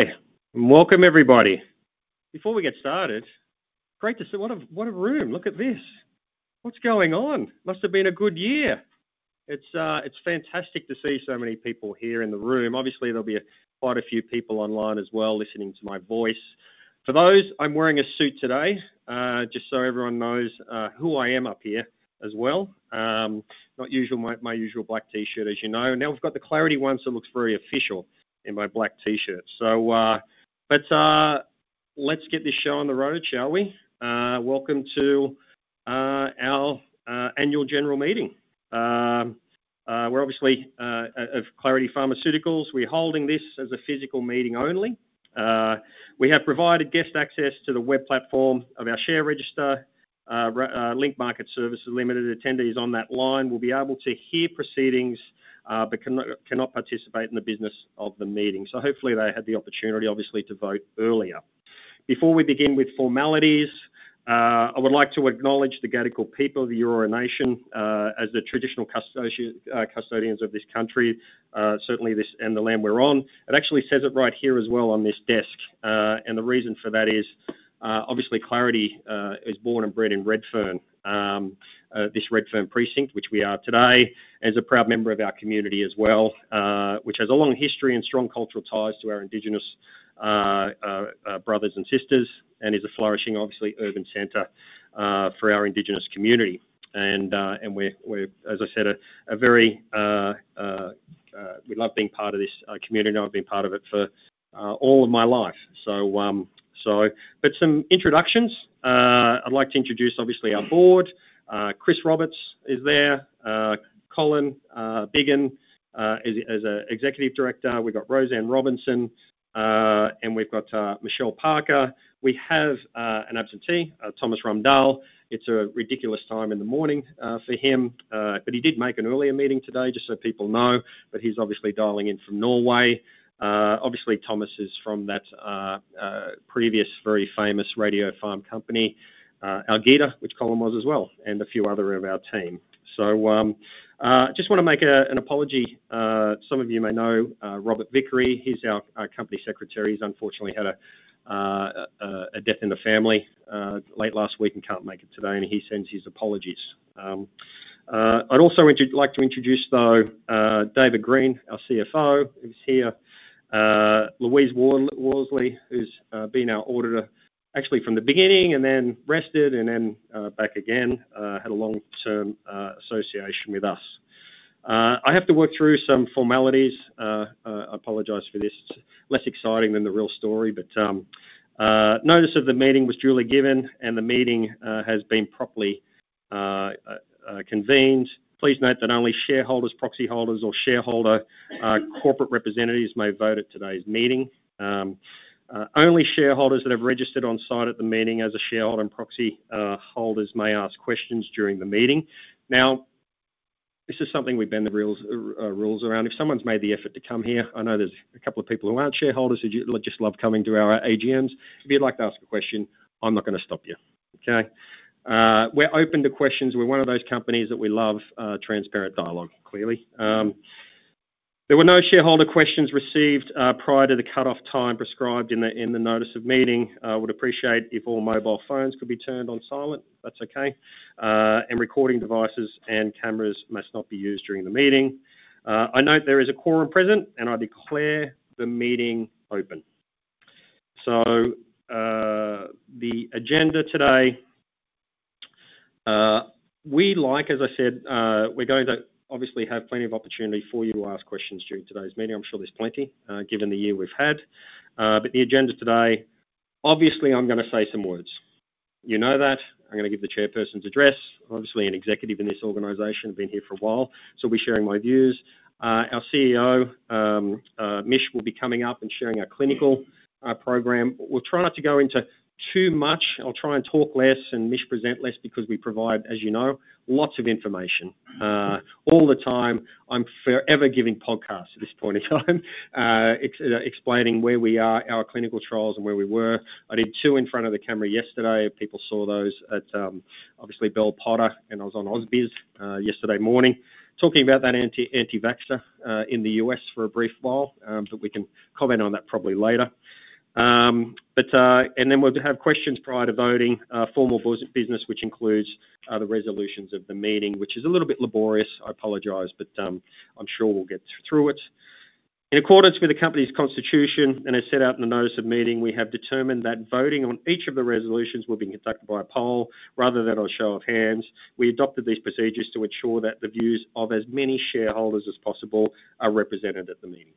Hi. Welcome, everybody. Before we get started, great to see. What a room, look at this. What's going on? Must have been a good year. It's fantastic to see so many people here in the room. Obviously, there'll be quite a few people online as well listening to my voice. For those, I'm wearing a suit today, just so everyone knows who I am up here as well. Not usually my usual black t-shirt, as you know. Now, we've got the Clarity ones that look very official in my black t-shirt. But let's get this show on the road, shall we? Welcome to our annual general meeting. We're obviously of Clarity Pharmaceuticals. We're holding this as a physical meeting only. We have provided guest access to the web platform of our share register. Link Market Services Limited attendees on that line will be able to hear proceedings but cannot participate in the business of the meeting, so hopefully, they had the opportunity, obviously, to vote earlier. Before we begin with formalities, I would like to acknowledge the Gadigal People of the Eora Nation as the traditional custodians of this country, certainly this and the land we're on. It actually says it right here as well on this desk, and the reason for that is, obviously, Clarity is born and bred in Redfern, this Redfern precinct, which we are today, as a proud member of our community as well, which has a long history and strong cultural ties to our Indigenous brothers and sisters, and is a flourishing, obviously, urban center for our Indigenous community, and we're, as I said, a very—we love being part of this community. I've been part of it for all of my life. But some introductions. I'd like to introduce, obviously, our board. Chris Roberts is there. Colin Biggin as an executive director. We've got Rosanne Robinson. And we've got Michelle Parker. We have an absentee, Thomas Ramdahl. It's a ridiculous time in the morning for him. But he did make an earlier meeting today, just so people know. But he's obviously dialing in from Norway. Obviously, Thomas is from that previous very famous radiopharmaceutical company, Algeta, which Colin was as well, and a few other of our team. So I just want to make an apology. Some of you may know Robert Vickery. He's our company secretary. He's unfortunately had a death in the family late last week and can't make it today. And he sends his apologies. I'd also like to introduce, though, David Green, our CFO, who's here. Louise Worsley, who's been our auditor, actually from the beginning, and then rested, and then back again, had a long-term association with us. I have to work through some formalities. I apologize for this. It's less exciting than the real story. But notice of the meeting was duly given, and the meeting has been properly convened. Please note that only shareholders, proxy holders, or shareholder corporate representatives may vote at today's meeting. Only shareholders that have registered on site at the meeting as a shareholder and proxy holders may ask questions during the meeting. Now, this is something we bend the rules around. If someone's made the effort to come here, I know there's a couple of people who aren't shareholders who just love coming to our AGMs. If you'd like to ask a question, I'm not going to stop you. Okay? We're open to questions. We're one of those companies that we love transparent dialogue, clearly. There were no shareholder questions received prior to the cutoff time prescribed in the notice of meeting. I would appreciate if all mobile phones could be turned on silent. That's okay. And recording devices and cameras must not be used during the meeting. I note there is a quorum present, and I declare the meeting open. So the agenda today, we like, as I said, we're going to obviously have plenty of opportunity for you to ask questions during today's meeting. I'm sure there's plenty, given the year we've had. But the agenda today, obviously, I'm going to say some words. You know that. I'm going to give the chairperson's address. Obviously, an executive in this organization has been here for a while, so I'll be sharing my views. Our CEO, Mish, will be coming up and sharing our clinical program. We'll try not to go into too much. I'll try and talk less and Mish present less because we provide, as you know, lots of information. All the time, I'm forever giving podcasts at this point in time, explaining where we are, our clinical trials, and where we were. I did two in front of the camera yesterday. People saw those at, obviously, Bell Potter, and I was on Ausbiz yesterday morning, talking about that anti-vaxxer in the U.S. for a brief while. But we can comment on that probably later, and then we'll have questions prior to voting, formal business, which includes the resolutions of the meeting, which is a little bit laborious. I apologize, but I'm sure we'll get through it. In accordance with the company's constitution and as set out in the notice of meeting, we have determined that voting on each of the resolutions will be conducted by a poll rather than a show of hands. We adopted these procedures to ensure that the views of as many shareholders as possible are represented at the meeting.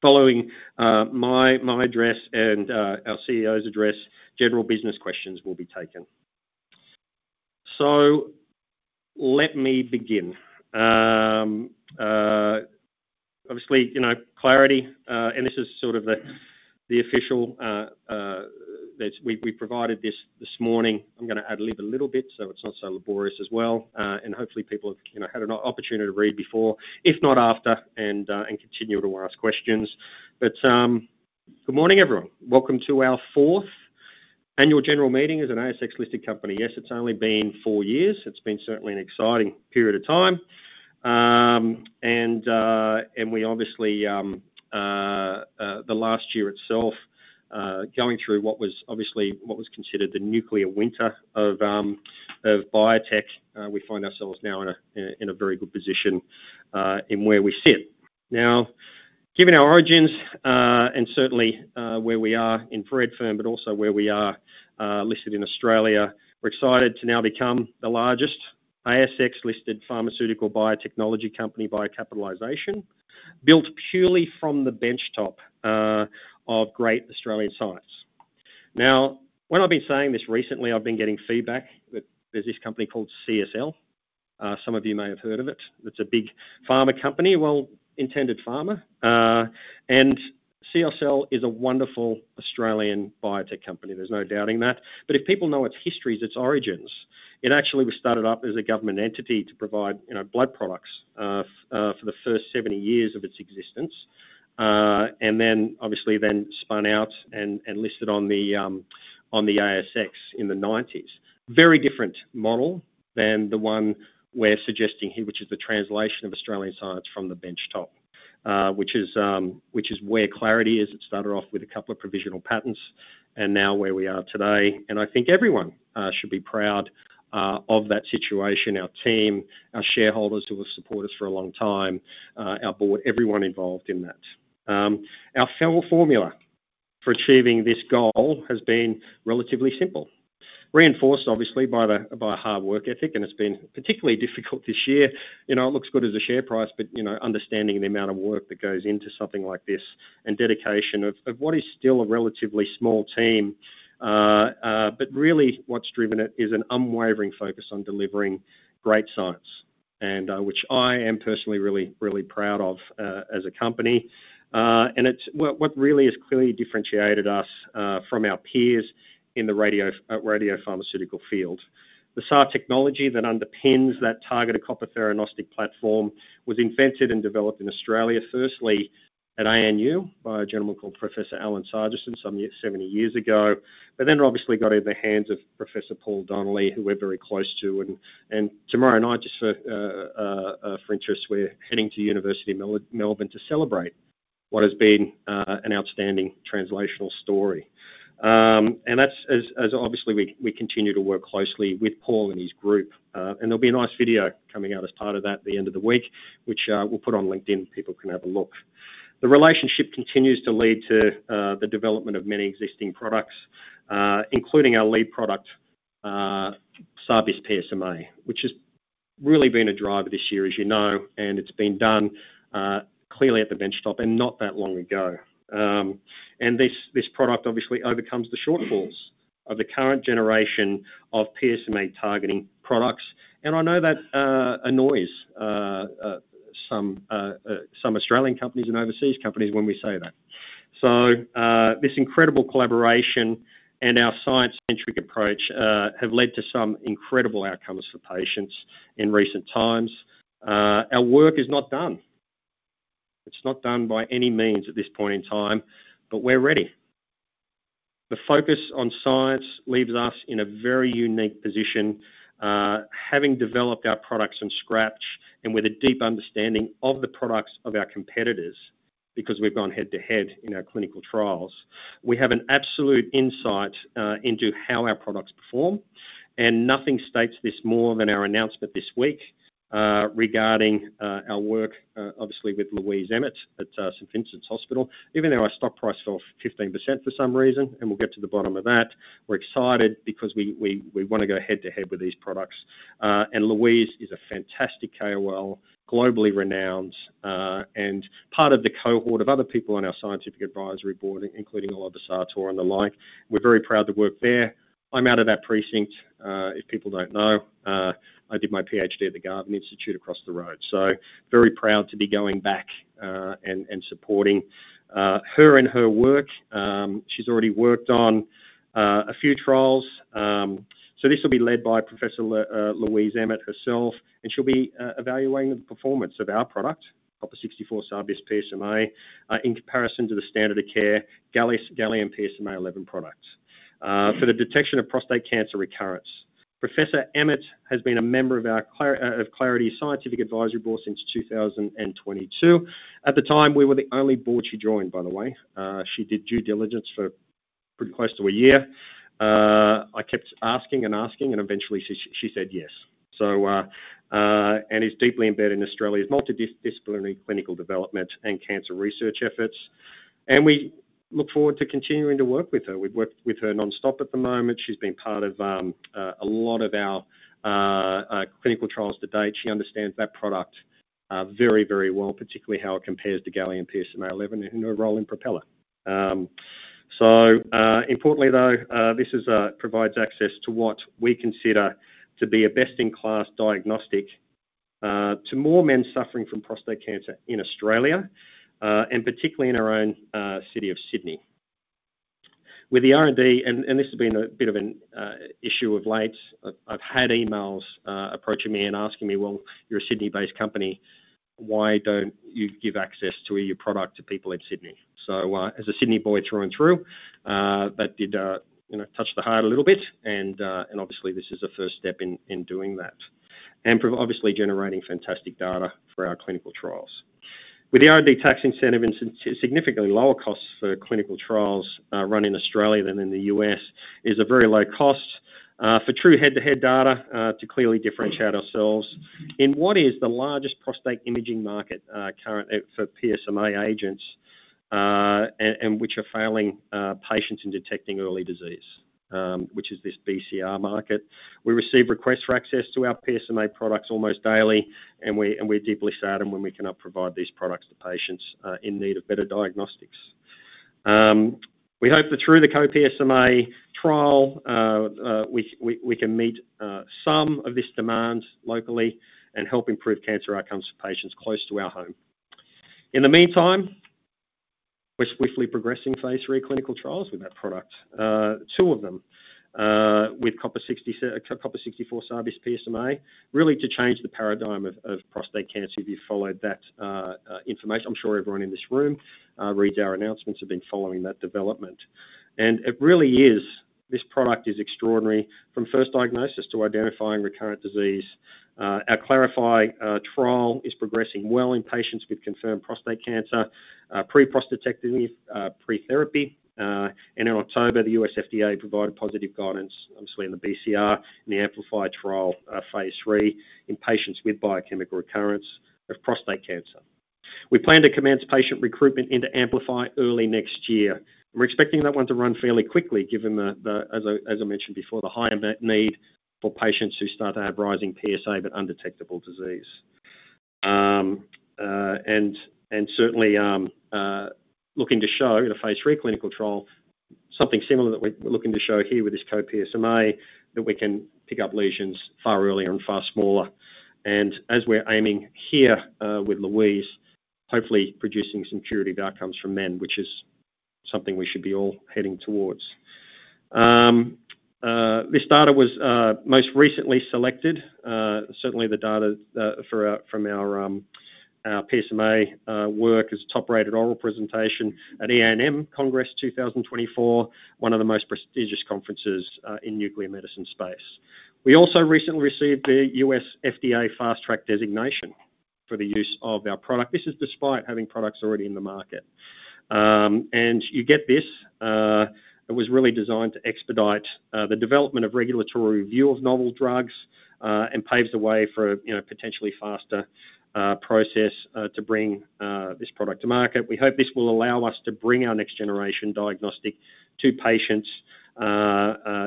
Following my address and our CEO's address, general business questions will be taken, so let me begin. Obviously, Clarity, and this is sort of the official we provided this morning. I'm going to ad lib a little bit so it's not so laborious as well, and hopefully, people have had an opportunity to read before, if not after, and continue to ask questions, but good morning, everyone. Welcome to our fourth annual general meeting as an ASX-listed company. Yes, it's only been four years. It's been certainly an exciting period of time. We obviously, the last year itself, going through what was obviously what was considered the nuclear winter of biotech, we find ourselves now in a very good position in where we sit. Now, given our origins and certainly where we are in Redfern, but also where we are listed in Australia, we're excited to now become the largest ASX-listed pharmaceutical biotechnology company by capitalization, built purely from the benchtop of great Australian science. Now, when I've been saying this recently, I've been getting feedback that there's this company called CSL. Some of you may have heard of it. It's a big pharma company, well-intended pharma. And CSL is a wonderful Australian biotech company. There's no doubting that. But if people know its history, its origins, it actually was started up as a government entity to provide blood products for the first 70 years of its existence, and then obviously spun out and listed on the ASX in the 1990s. Very different model than the one we're suggesting here, which is the translation of Australian science from the benchtop, which is where Clarity is. It started off with a couple of provisional patents and now where we are today. I think everyone should be proud of that situation: our team, our shareholders who have supported us for a long time, our board, everyone involved in that. Our formula for achieving this goal has been relatively simple, reinforced obviously by a hard work ethic. It's been particularly difficult this year. It looks good as a share price, but understanding the amount of work that goes into something like this and dedication of what is still a relatively small team, but really, what's driven it is an unwavering focus on delivering great science, which I am personally really, really proud of as a company, and what really has clearly differentiated us from our peers in the radiopharmaceutical field, the SAR technology that underpins that targeted copper theranostic platform was invented and developed in Australia, firstly at ANU by a gentleman called Professor Alan Sargeson some 70 years ago, but then obviously got in the hands of Professor Paul Donnelly, who we're very close to, and tomorrow night, just for interest, we're heading to University of Melbourne to celebrate what has been an outstanding translational story, and obviously, we continue to work closely with Paul and his group. And there'll be a nice video coming out as part of that at the end of the week, which we'll put on LinkedIn. People can have a look. The relationship continues to lead to the development of many existing products, including our lead product, SAR-bisPSMA, which has really been a driver this year, as you know. And it's been done clearly at the benchtop and not that long ago. And this product obviously overcomes the shortfalls of the current generation of PSMA targeting products. And I know that annoys some Australian companies and overseas companies when we say that. So this incredible collaboration and our science-centric approach have led to some incredible outcomes for patients in recent times. Our work is not done. It's not done by any means at this point in time, but we're ready. The focus on science leaves us in a very unique position, having developed our products from scratch and with a deep understanding of the products of our competitors because we've gone head-to-head in our clinical trials. We have an absolute insight into how our products perform. And nothing states this more than our announcement this week regarding our work, obviously, with Louise Emmett at St. Vincent's Hospital. Even though our stock price fell 15% for some reason, and we'll get to the bottom of that, we're excited because we want to go head-to-head with these products. And Louise is a fantastic KOL, globally renowned, and part of the cohort of other people on our scientific advisory board, including all of the SARTATE and the like. We're very proud to work there. I'm out of that precinct. If people don't know, I did my PhD at the Garvan Institute across the road, so very proud to be going back and supporting her and her work. She's already worked on a few trials, so this will be led by Professor Louise Emmett herself, and she'll be evaluating the performance of our product, Copper-64 SAR-bisPSMA, in comparison to the standard of care Gallium-68 PSMA-11 product for the detection of prostate cancer recurrence. Professor Emmett has been a member of Clarity's scientific advisory board since 2022. At the time, we were the only board she joined, by the way. She did due diligence for pretty close to a year. I kept asking and asking, and eventually she said yes and is deeply embedded in Australia's multidisciplinary clinical development and cancer research efforts, and we look forward to continuing to work with her. We've worked with her non-stop at the moment. She's been part of a lot of our clinical trials to date. She understands that product very, very well, particularly how it compares to Gallium-68 PSMA-11 and her role in PROPELLER. So importantly, though, this provides access to what we consider to be a best-in-class diagnostic to more men suffering from prostate cancer in Australia, and particularly in our own city of Sydney. With the R&D, and this has been a bit of an issue of late, I've had emails approaching me and asking me, "Well, you're a Sydney-based company. Why don't you give access to your product to people in Sydney?" So as a Sydney boy through and through, that did touch the heart a little bit. And obviously, this is a first step in doing that and obviously generating fantastic data for our clinical trials. With the R&D tax incentive and significantly lower costs for clinical trials run in Australia than in the U.S., it is a very low cost for true head-to-head data to clearly differentiate ourselves in what is the largest prostate imaging market currently for PSMA agents and which are failing patients in detecting early disease, which is this BCR market. We receive requests for access to our PSMA products almost daily, and we're deeply saddened when we cannot provide these products to patients in need of better diagnostics. We hope that through the Cu-PSMA trial, we can meet some of these demands locally and help improve cancer outcomes for patients close to our home. In the meantime, we're swiftly progressing Phase III clinical trials with that product, two of them with Copper-64 SAR-bisPSMA, really to change the paradigm of prostate cancer if you followed that information. I'm sure everyone in this room reads our announcements and has been following that development. And it really is, this product is extraordinary from first diagnosis to identifying recurrent disease. Our CLARIFY trial is progressing well in patients with confirmed prostate cancer, pre-prostatectomy, pre-therapy. And in October, the U.S. FDA provided positive guidance, obviously in the BCR and the AMPLIFY trial Phase III in patients with biochemical recurrence of prostate cancer. We plan to commence patient recruitment into AMPLIFY early next year. And we're expecting that one to run fairly quickly, given, as I mentioned before, the high need for patients who start to have rising PSA but undetectable disease. And certainly looking to show in a phase three clinical trial, something similar that we're looking to show here with this CUPSMA, that we can pick up lesions far earlier and far smaller. As we're aiming here with Louise, hopefully producing some curative outcomes for men, which is something we should be all heading towards. This data was most recently selected. Certainly, the data from our PSMA work is top-rated oral presentation at EANM Congress 2024, one of the most prestigious conferences in nuclear medicine space. We also recently received the U.S. FDA Fast Track designation for the use of our product. This is despite having products already in the market. And you get this. It was really designed to expedite the development of regulatory review of novel drugs and paves the way for a potentially faster process to bring this product to market. We hope this will allow us to bring our next-generation diagnostic to patients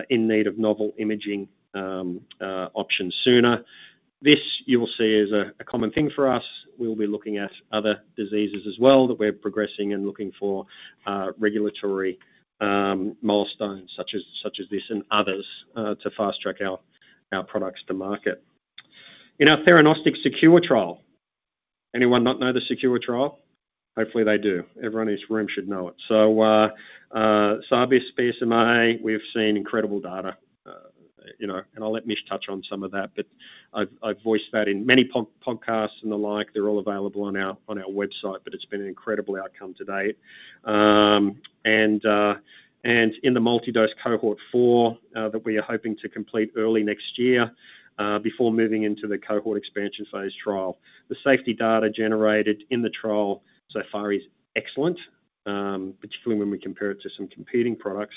in need of novel imaging options sooner. This, you will see, is a common thing for us. We'll be looking at other diseases as well that we're progressing and looking for regulatory milestones such as this and others to fast-track our products to market. In our theranostic SECURE trial, does anyone not know the SECURE trial? Hopefully, they do. Everyone in this room should know it, so SAR-bisPSMA, we've seen incredible data, and I'll let Mish touch on some of that, but I've voiced that in many podcasts and the like. They're all available on our website, but it's been an incredible outcome to date, and in the multidose cohort four that we are hoping to complete early next year before moving into the cohort expansion phase trial, the safety data generated in the trial so far is excellent, particularly when we compare it to some competing products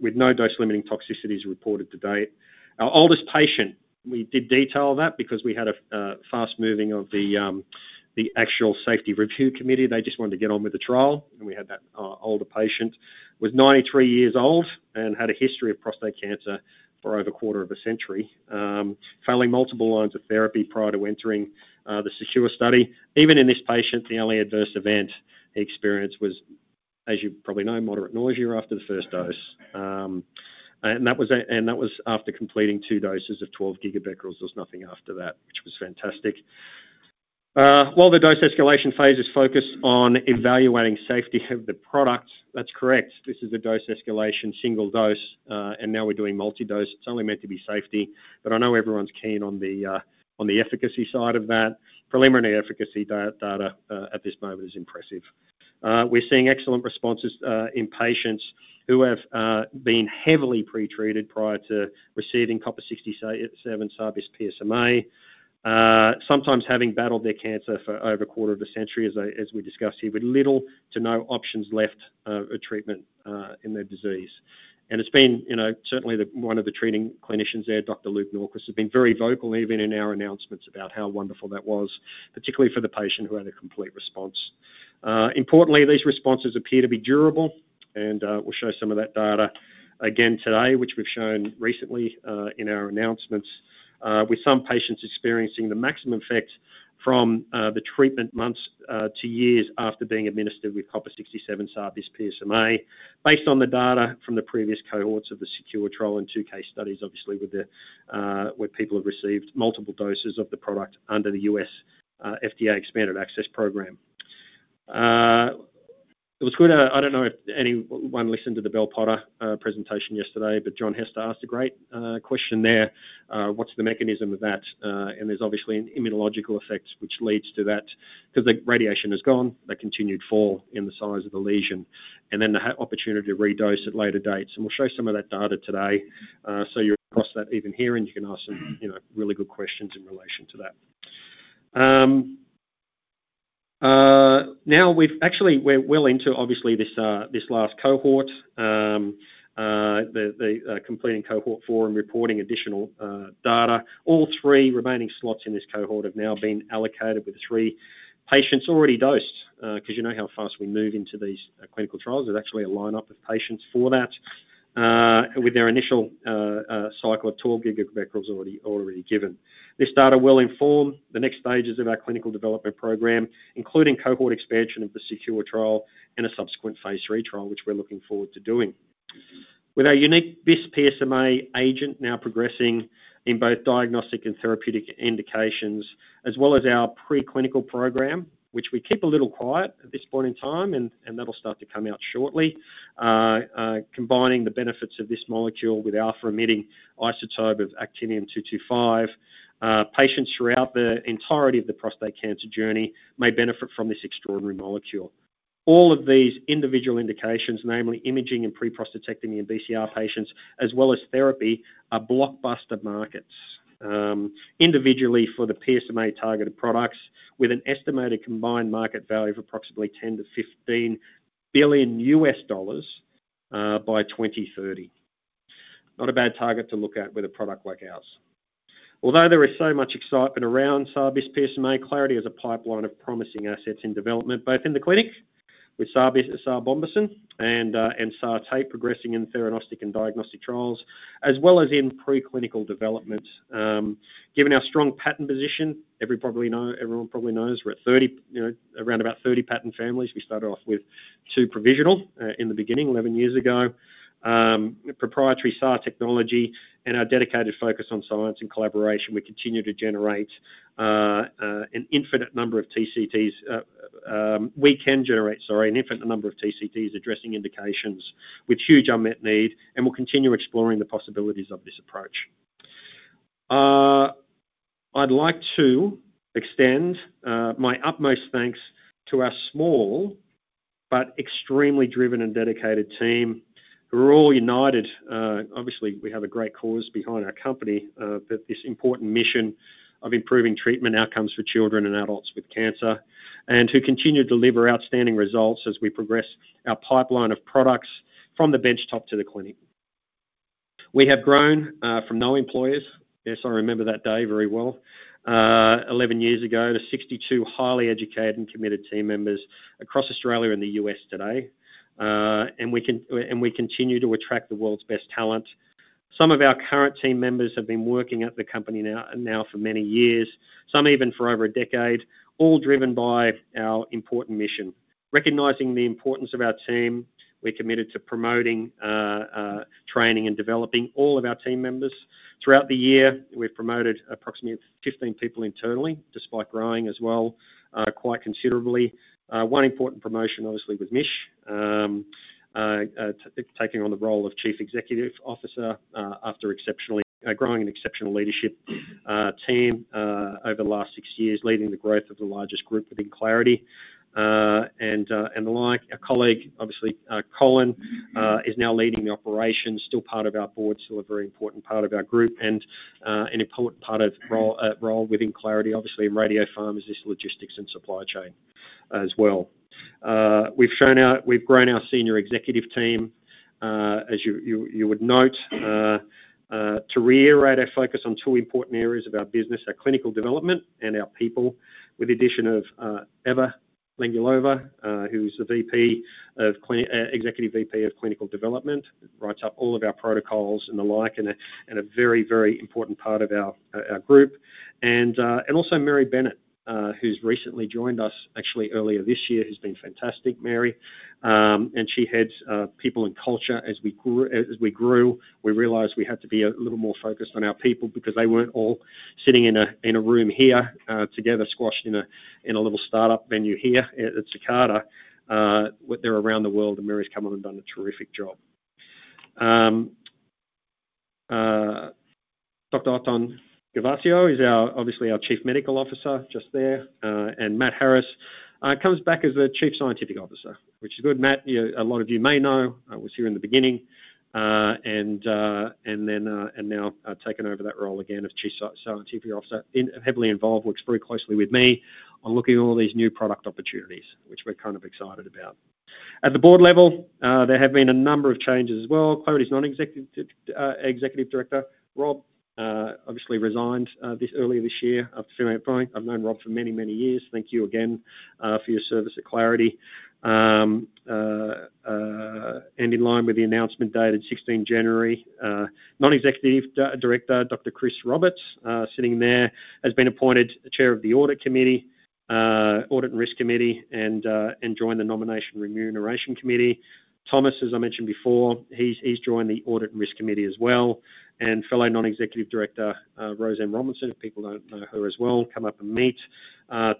with no dose-limiting toxicities reported to date. Our oldest patient, we did detail that because we had a fast moving of the actual safety review committee. They just wanted to get on with the trial, and we had that older patient who was 93 years old and had a history of prostate cancer for over a quarter of a century, failing multiple lines of therapy prior to entering the SECURE study. Even in this patient, the only adverse event he experienced was, as you probably know, moderate nausea after the first dose, and that was after completing two doses of 12 GBq. There was nothing after that, which was fantastic. While the dose escalation phase is focused on evaluating safety of the product, that's correct. This is a dose escalation, single dose, and now we're doing multidose. It's only meant to be safety, but I know everyone's keen on the efficacy side of that. Preliminary efficacy data at this moment is impressive. We're seeing excellent responses in patients who have been heavily pretreated prior to receiving Copper-67 SAR-bisPSMA, sometimes having battled their cancer for over a quarter of a century, as we discussed here, with little to no options left of treatment in their disease, and it's been certainly one of the treating clinicians there, Dr. Luke Nordquist, has been very vocal even in our announcements about how wonderful that was, particularly for the patient who had a complete response. Importantly, these responses appear to be durable. We'll show some of that data again today, which we've shown recently in our announcements, with some patients experiencing the maximum effect from the treatment months to years after being administered with Copper-67 SAR-bisPSMA, based on the data from the previous cohorts of the SECURE trial and two case studies, obviously, where people have received multiple doses of the product under the U.S. FDA Expanded Access Program. It was good. I don't know if anyone listened to the Bell Potter presentation yesterday, but John HESTA asked a great question there. What's the mechanism of that? And there's obviously an immunological effect, which leads to that because the radiation has gone, that continued fall in the size of the lesion, and then the opportunity to redose at later dates. And we'll show some of that data today. You're across that. Even hearing, you can ask some really good questions in relation to that. Now, actually, we're well into, obviously, this last cohort, the completing cohort four and reporting additional data. All three remaining slots in this cohort have now been allocated with three patients already dosed because you know how fast we move into these clinical trials. There's actually a lineup of patients for that with their initial cycle of 12 GBq already given. This data will inform the next stages of our clinical development program, including cohort expansion of the SECURE trial and a subsequent phase three trial, which we're looking forward to doing. With our unique bisPSMA agent now progressing in both diagnostic and therapeutic indications, as well as our preclinical program, which we keep a little quiet at this point in time, and that'll start to come out shortly, combining the benefits of this molecule with alpha-emitting isotope of actinium-225, patients throughout the entirety of the prostate cancer journey may benefit from this extraordinary molecule. All of these individual indications, namely imaging and pre-prostatectomy and BCR patients, as well as therapy, are blockbuster markets individually for the PSMA-targeted products, with an estimated combined market value of approximately $10 billion-$15 billion by 2030. Not a bad target to look at with a product like ours. Although there is so much excitement around SAR-bisPSMA, Clarity has a pipeline of promising assets in development, both in the clinic with SAR-bisPSMA, SAR-Bombesin, and SARTATE progressing in theranostic and diagnostic trials, as well as in preclinical development. Given our strong patent position, everyone probably knows we're around about 30 patent families. We started off with two provisionals in the beginning, 11 years ago, proprietary SAR technology, and our dedicated focus on science and collaboration. We continue to generate an infinite number of TCTs we can generate, sorry, an infinite number of TCTs addressing indications with huge unmet need, and we'll continue exploring the possibilities of this approach. I'd like to extend my utmost thanks to our small but extremely driven and dedicated team who are all united. Obviously, we have a great cause behind our company, this important mission of improving treatment outcomes for children and adults with cancer, and who continue to deliver outstanding results as we progress our pipeline of products from the benchtop to the clinic. We have grown from no employees, yes, I remember that day very well, 11 years ago, to 62 highly educated and committed team members across Australia and the U.S. today. And we continue to attract the world's best talent. Some of our current team members have been working at the company now for many years, some even for over a decade, all driven by our important mission. Recognizing the importance of our team, we're committed to promoting training and developing all of our team members throughout the year. We've promoted approximately 15 people internally, despite growing as well quite considerably. One important promotion, obviously, was Mish taking on the role of Chief Executive Officer after growing an exceptional leadership team over the last six years, leading the growth of the largest group within Clarity and the like. Our colleague, obviously, Colin, is now leading the operations, still part of our board, still a very important part of our group and an important part of role within Clarity, obviously, in radiopharmaceuticals, the logistics and supply chain as well. We've grown our senior executive team, as you would note, to reiterate our focus on two important areas of our business, our clinical development and our people, with the addition of Eva Lengyelova, who's the Executive Vice President of clinical development, writes up all of our protocols and the like, and a very, very important part of our group. Also Mary Bennett, who's recently joined us, actually earlier this year, has been fantastic, Mary. And she heads People and Culture. As we grew, we realized we had to be a little more focused on our people because they weren't all sitting in a room here together, squashed in a little startup venue here at Redfern. They're around the world, and Mary's come on and done a terrific job. Dr. Othon Gervasio is obviously our Chief Medical Officer just there. And Matt Harris comes back as the Chief Scientific Officer, which is good. Matt, a lot of you may know, was here in the beginning, and now taken over that role again as Chief Scientific Officer, heavily involved, works very closely with me on looking at all these new product opportunities, which we're kind of excited about. At the board level, there have been a number of changes as well. Clarity's not an executive director. Rob, obviously, resigned earlier this year after fairly long. I've known Rob for many, many years. Thank you again for your service at Clarity. In line with the announcement dated 16 January, non-executive director, Dr. Chris Roberts, sitting there, has been appointed chair of the audit risk committee and joined the nomination remuneration committee. Thomas, as I mentioned before, he's joined the audit risk committee as well. Fellow non-executive director, Rosanne Robinson, if people don't know her as well, come up and meet,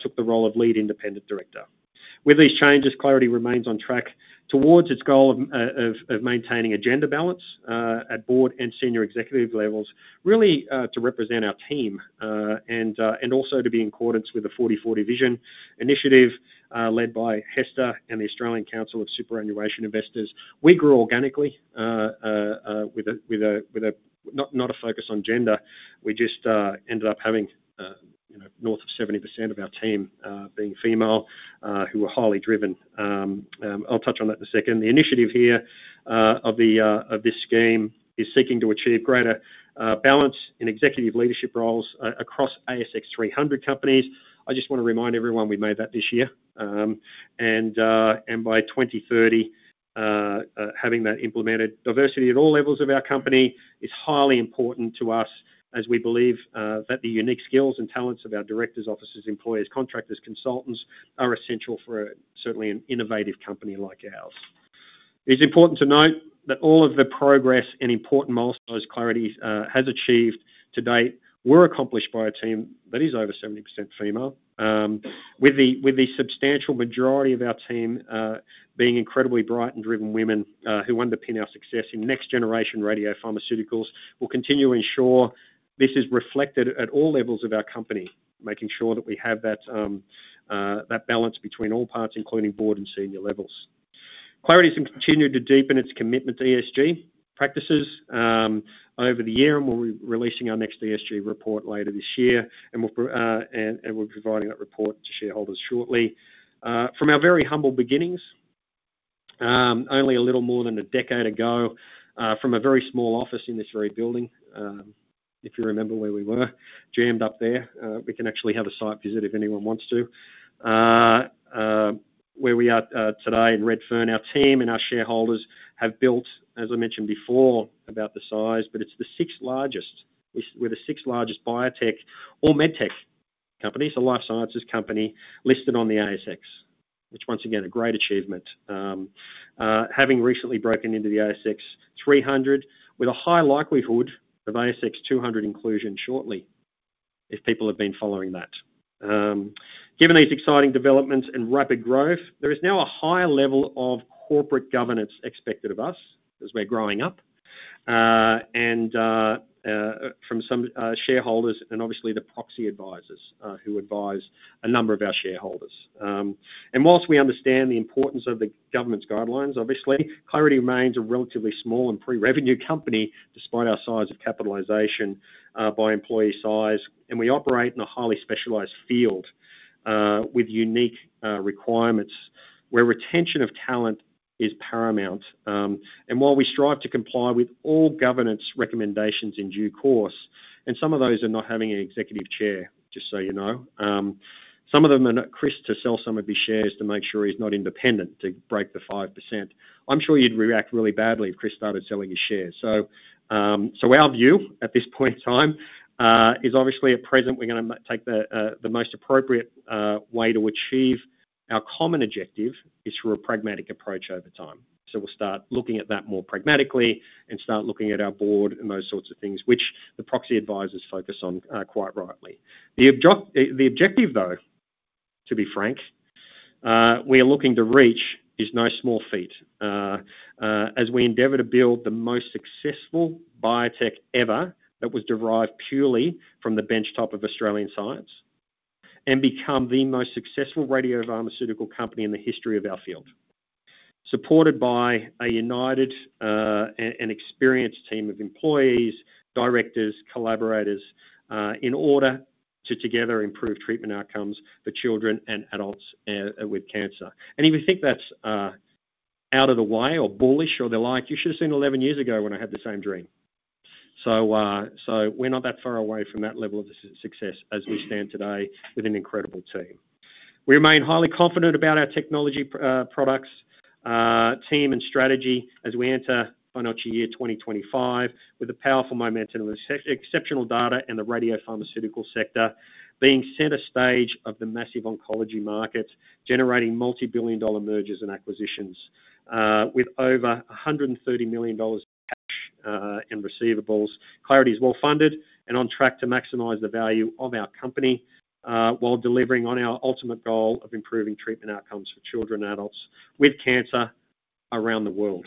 took the role of lead independent director. With these changes, Clarity remains on track towards its goal of maintaining gender balance at board and senior executive levels, really to represent our team and also to be in accordance with the 40/40 vision initiative led by Hester and the Australian Council of Superannuation Investors. We grew organically with not a focus on gender. We just ended up having north of 70% of our team being female who were highly driven. I'll touch on that in a second. The initiative here of this scheme is seeking to achieve greater balance in executive leadership roles across ASX 300 companies. I just want to remind everyone we met that this year. By 2030, having that implemented, diversity at all levels of our company is highly important to us as we believe that the unique skills and talents of our directors, officers, employees, contractors, consultants are essential for certainly an innovative company like ours. It's important to note that all of the progress and important milestones Clarity has achieved to date were accomplished by a team that is over 70% female, with the substantial majority of our team being incredibly bright and driven women who underpin our success in next-generation radiopharmaceuticals. We'll continue to ensure this is reflected at all levels of our company, making sure that we have that balance between all parts, including board and senior levels. Clarity has continued to deepen its commitment to ESG practices over the year and will be releasing our next ESG report later this year. We'll be providing that report to shareholders shortly. From our very humble beginnings, only a little more than a decade ago, from a very small office in this very building, if you remember where we were, jammed up there, we can actually have a site visit if anyone wants to, where we are today in Redfern. Our team and our shareholders have built, as I mentioned before, about the size, but it's the sixth largest. We're the sixth largest biotech or medtech company, so life sciences company listed on the ASX, which, once again, a great achievement, having recently broken into the ASX 300 with a high likelihood of ASX 200 inclusion shortly, if people have been following that. Given these exciting developments and rapid growth, there is now a high level of corporate governance expected of us as we're growing up and from some shareholders and obviously the proxy advisors who advise a number of our shareholders. While we understand the importance of the government's guidelines, obviously, Clarity remains a relatively small and pre-revenue company despite our size of capitalization by employee size. We operate in a highly specialized field with unique requirements where retention of talent is paramount. While we strive to comply with all governance recommendations in due course, and some of those are not having an executive chair, just so you know, some of them are not Chris to sell some of his shares to make sure he's not independent to break the 5%. I'm sure you'd react really badly if Chris started selling his shares. So our view at this point in time is obviously at present, we're going to take the most appropriate way to achieve our common objective is through a pragmatic approach over time. So we'll start looking at that more pragmatically and start looking at our board and those sorts of things, which the proxy advisors focus on quite rightly. The objective, though, to be frank, we are looking to reach is no small feat as we endeavor to build the most successful biotech ever that was derived purely from the benchtop of Australian science and become the most successful radiopharmaceutical company in the history of our field, supported by a united and experienced team of employees, directors, collaborators in order to together improve treatment outcomes for children and adults with cancer. And if you think that's out of the way or bullish or the like, you should have seen 11 years ago when I had the same dream. So we're not that far away from that level of success as we stand today with an incredible team. We remain highly confident about our technology products, team, and strategy as we enter Financial Year 2025 with the powerful momentum of exceptional data and the radiopharmaceutical sector being center stage of the massive oncology market, generating multi-billion dollar mergers and acquisitions with over $130 million in receivables. Clarity is well funded and on track to maximize the value of our company while delivering on our ultimate goal of improving treatment outcomes for children and adults with cancer around the world.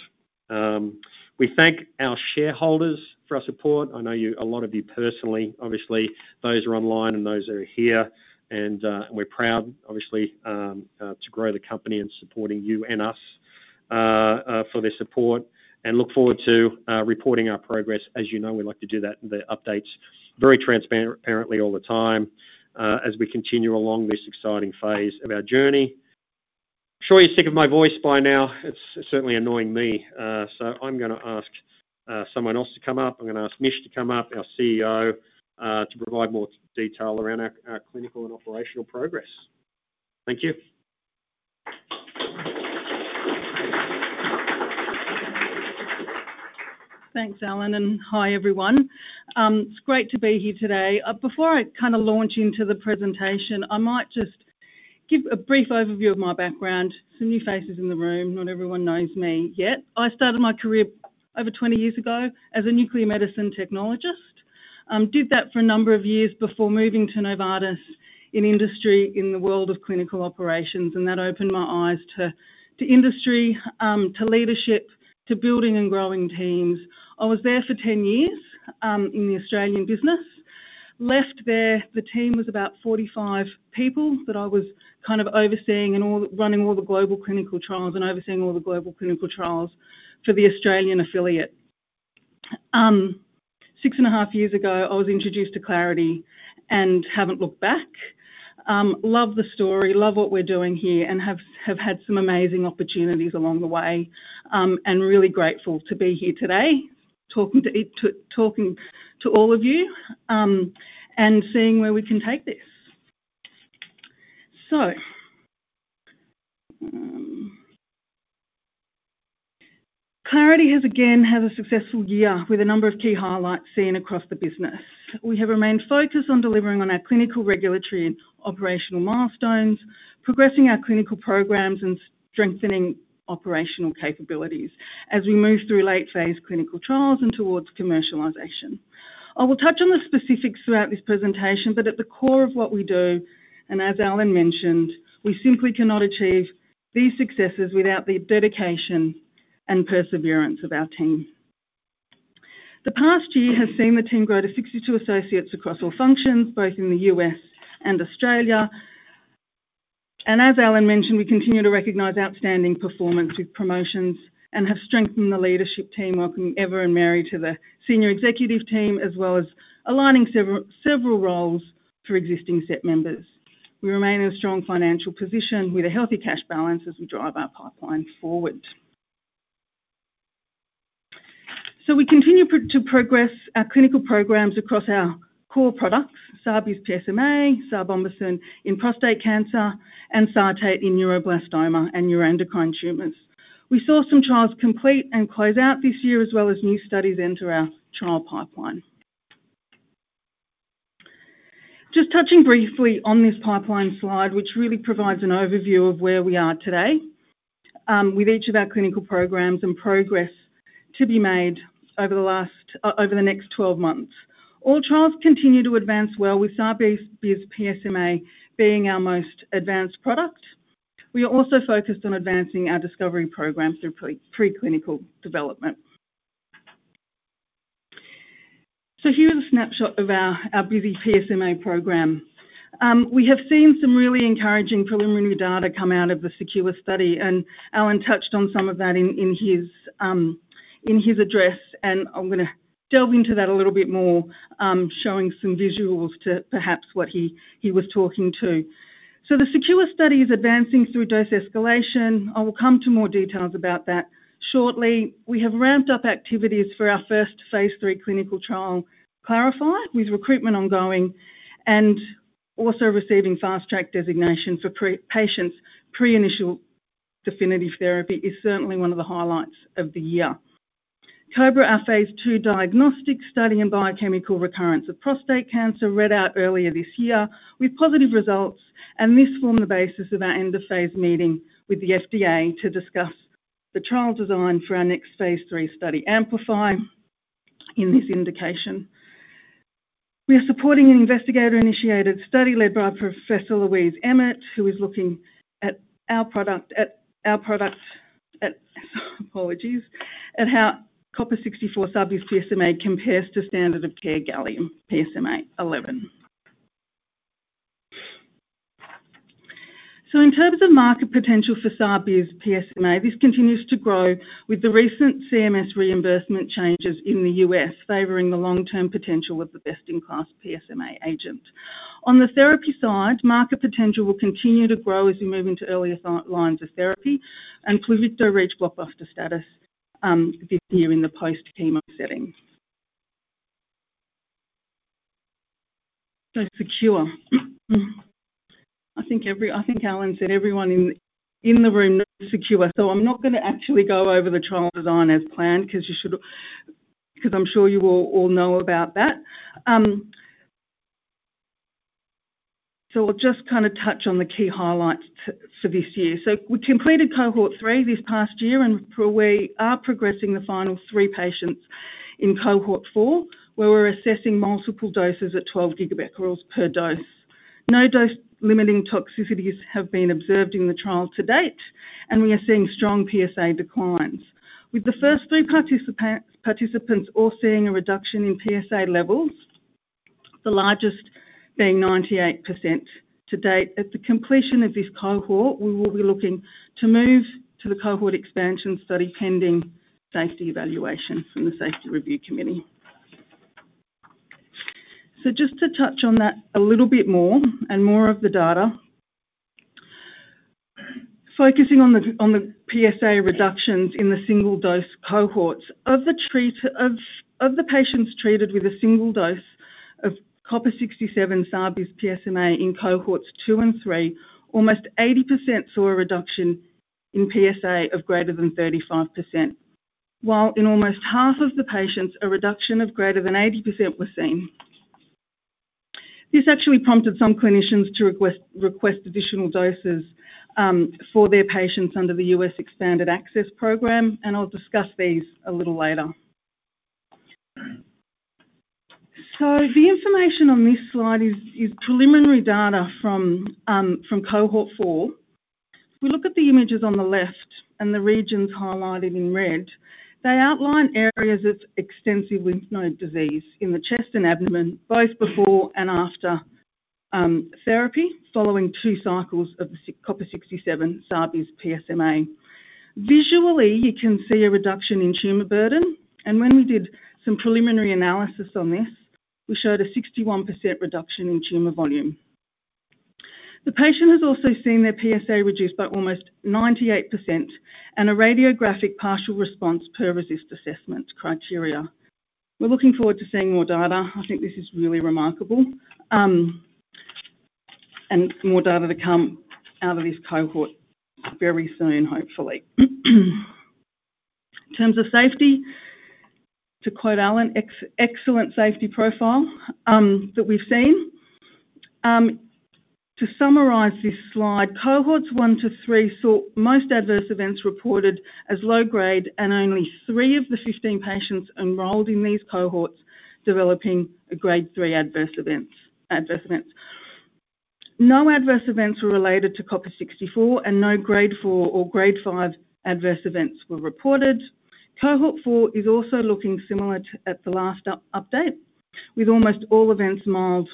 We thank our shareholders for our support. I know a lot of you personally, obviously, those are online and those are here. We're proud, obviously, to grow the company and supporting you and us for their support and look forward to reporting our progress. As you know, we'd like to do that in the updates very transparently all the time as we continue along this exciting phase of our journey. I'm sure you're sick of my voice by now. It's certainly annoying me. So I'm going to ask someone else to come up. I'm going to ask Mish to come up, our CEO, to provide more detail around our clinical and operational progress. Thank you. Thanks, Alan. And hi, everyone. It's great to be here today. Before I kind of launch into the presentation, I might just give a brief overview of my background. Some new faces in the room. Not everyone knows me yet. I started my career over 20 years ago as a Nuclear Medicine Technologist. Did that for a number of years before moving to Novartis in industry in the world of clinical operations. That opened my eyes to industry, to leadership, to building and growing teams. I was there for 10 years in the Australian business. Left there; the team was about 45 people that I was kind of overseeing and running all the global clinical trials for the Australian affiliate. Six and a half years ago, I was introduced to Clarity and haven't looked back. Love the story, love what we're doing here, and have had some amazing opportunities along the way. Really grateful to be here today talking to all of you and seeing where we can take this. Clarity has again had a successful year with a number of key highlights seen across the business. We have remained focused on delivering on our clinical regulatory and operational milestones, progressing our clinical programs, and strengthening operational capabilities as we move through late-phase clinical trials and towards commercialization. I will touch on the specifics throughout this presentation, but at the core of what we do, and as Alan mentioned, we simply cannot achieve these successes without the dedication and perseverance of our team. The past year has seen the team grow to 62 associates across all functions, both in the U.S. and Australia. And as Alan mentioned, we continue to recognize outstanding performance with promotions and have strengthened the leadership team, welcoming Eva and Mary to the senior executive team, as well as aligning several roles for existing team members. We remain in a strong financial position with a healthy cash balance as we drive our pipeline forward. We continue to progress our clinical programs across our core products, SAR-bisPSMA, SAR-Bombesin in prostate cancer, and SARTATE in neuroblastoma and neuroendocrine tumors. We saw some trials complete and close out this year, as well as new studies enter our trial pipeline. Just touching briefly on this pipeline slide, which really provides an overview of where we are today with each of our clinical programs and progress to be made over the next 12 months. All trials continue to advance well, with SAR-bisPSMA being our most advanced product. We are also focused on advancing our discovery program through preclinical development. Here is a snapshot of our busy PSMA program. We have seen some really encouraging preliminary data come out of the SECURE study. Alan touched on some of that in his address. I'm going to delve into that a little bit more, showing some visuals to perhaps what he was talking to. The SECURE study is advancing through dose escalation. I will come to more details about that shortly. We have ramped up activities for our first Phase III clinical trial, CLARIFY, with recruitment ongoing and also receiving fast-track designation for patients prior to initial definitive therapy. This is certainly one of the highlights of the year. COBRA, our Phase II diagnostic study in biochemical recurrence of prostate cancer, read out earlier this year with positive results. This formed the basis of our end-of-phase meeting with the FDA to discuss the trial design for our next phase three study, AMPLIFY, in this indication. We are supporting an investigator-initiated study led by Professor Louise Emmett, who is looking at our product, apologies, at how Copper-64 SAR-bisPSMA compares to standard of care Gallium-68 PSMA-11. So in terms of market potential for SAR-bisPSMA, this continues to grow with the recent CMS reimbursement changes in the U.S.favoring the long-term potential of the best-in-class PSMA agent. On the therapy side, market potential will continue to grow as we move into earlier lines of therapy and Pluvicto reach blockbuster status this year in the post-chemo setting. So SECURE. I think Alan said everyone in the room knows SECURE. So I'm not going to actually go over the trial design as planned because I'm sure you all know about that. So I'll just kind of touch on the key highlights for this year. We completed cohort three this past year. We are progressing the final three patients in cohort four, where we're assessing multiple doses at 12 GBq per dose. No dose-limiting toxicities have been observed in the trial to date. We are seeing strong PSA declines. With the first three participants all seeing a reduction in PSA levels, the largest being 98% to date. At the completion of this cohort, we will be looking to move to the cohort expansion study pending safety evaluation from the Safety Review Committee. So just to touch on that a little bit more and more of the data, focusing on the PSA reductions in the single-dose cohorts of the patients treated with a single dose of copper-67 SAR-bisPSMA in cohorts two and three, almost 80% saw a reduction in PSA of greater than 35%, while in almost half of the patients, a reduction of greater than 80% was seen. This actually prompted some clinicians to request additional doses for their patients under the U.S. Expanded Access Program. And I'll discuss these a little later. So the information on this slide is preliminary data from cohort four. If we look at the images on the left and the regions highlighted in red, they outline areas of extensive lymph node disease in the chest and abdomen, both before and after therapy, following two cycles of the copper-67 SAR-bisPSMA. Visually, you can see a reduction in tumor burden. And when we did some preliminary analysis on this, we showed a 61% reduction in tumor volume. The patient has also seen their PSA reduced by almost 98% and a radiographic partial response per RECIST assessment criteria. We're looking forward to seeing more data. I think this is really remarkable and more data to come out of this cohort very soon, hopefully. In terms of safety, to quote Alan, excellent safety profile that we've seen. To summarize this slide, cohorts one to three saw most adverse events reported as low-grade, and only three of the 15 patients enrolled in these cohorts developing grade three adverse events. No adverse events were related to Copper 64, and no grade four or grade five adverse events were reported. Cohort four is also looking similar at the last update, with almost all events mild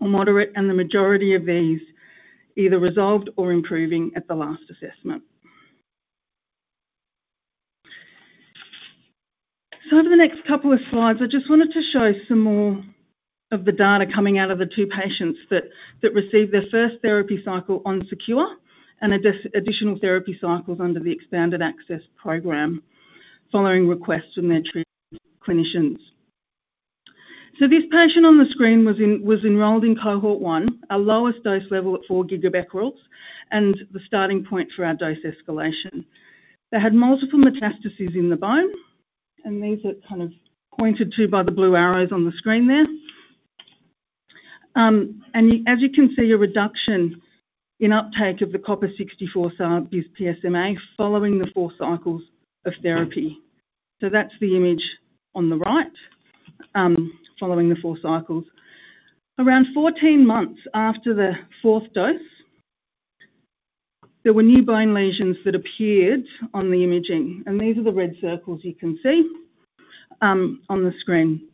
or moderate, and the majority of these either resolved or improving at the last assessment, so over the next couple of slides, I just wanted to show some more of the data coming out of the two patients that received their first therapy cycle on SECURE and additional therapy cycles under the Expanded Access Program, following requests from their treating clinicians. This patient on the screen was enrolled in cohort one, our lowest dose level at 4 GBq, and the starting point for our dose escalation. They had multiple metastases in the bone, and these are kind of pointed to by the blue arrows on the screen there, and as you can see, a reduction in uptake of the Copper-64 SAR-bisPSMA following the four cycles of therapy. That's the image on the right following the four cycles. Around 14 months after the fourth dose, there were new bone lesions that appeared on the imaging. These are the red circles you can see on the screen.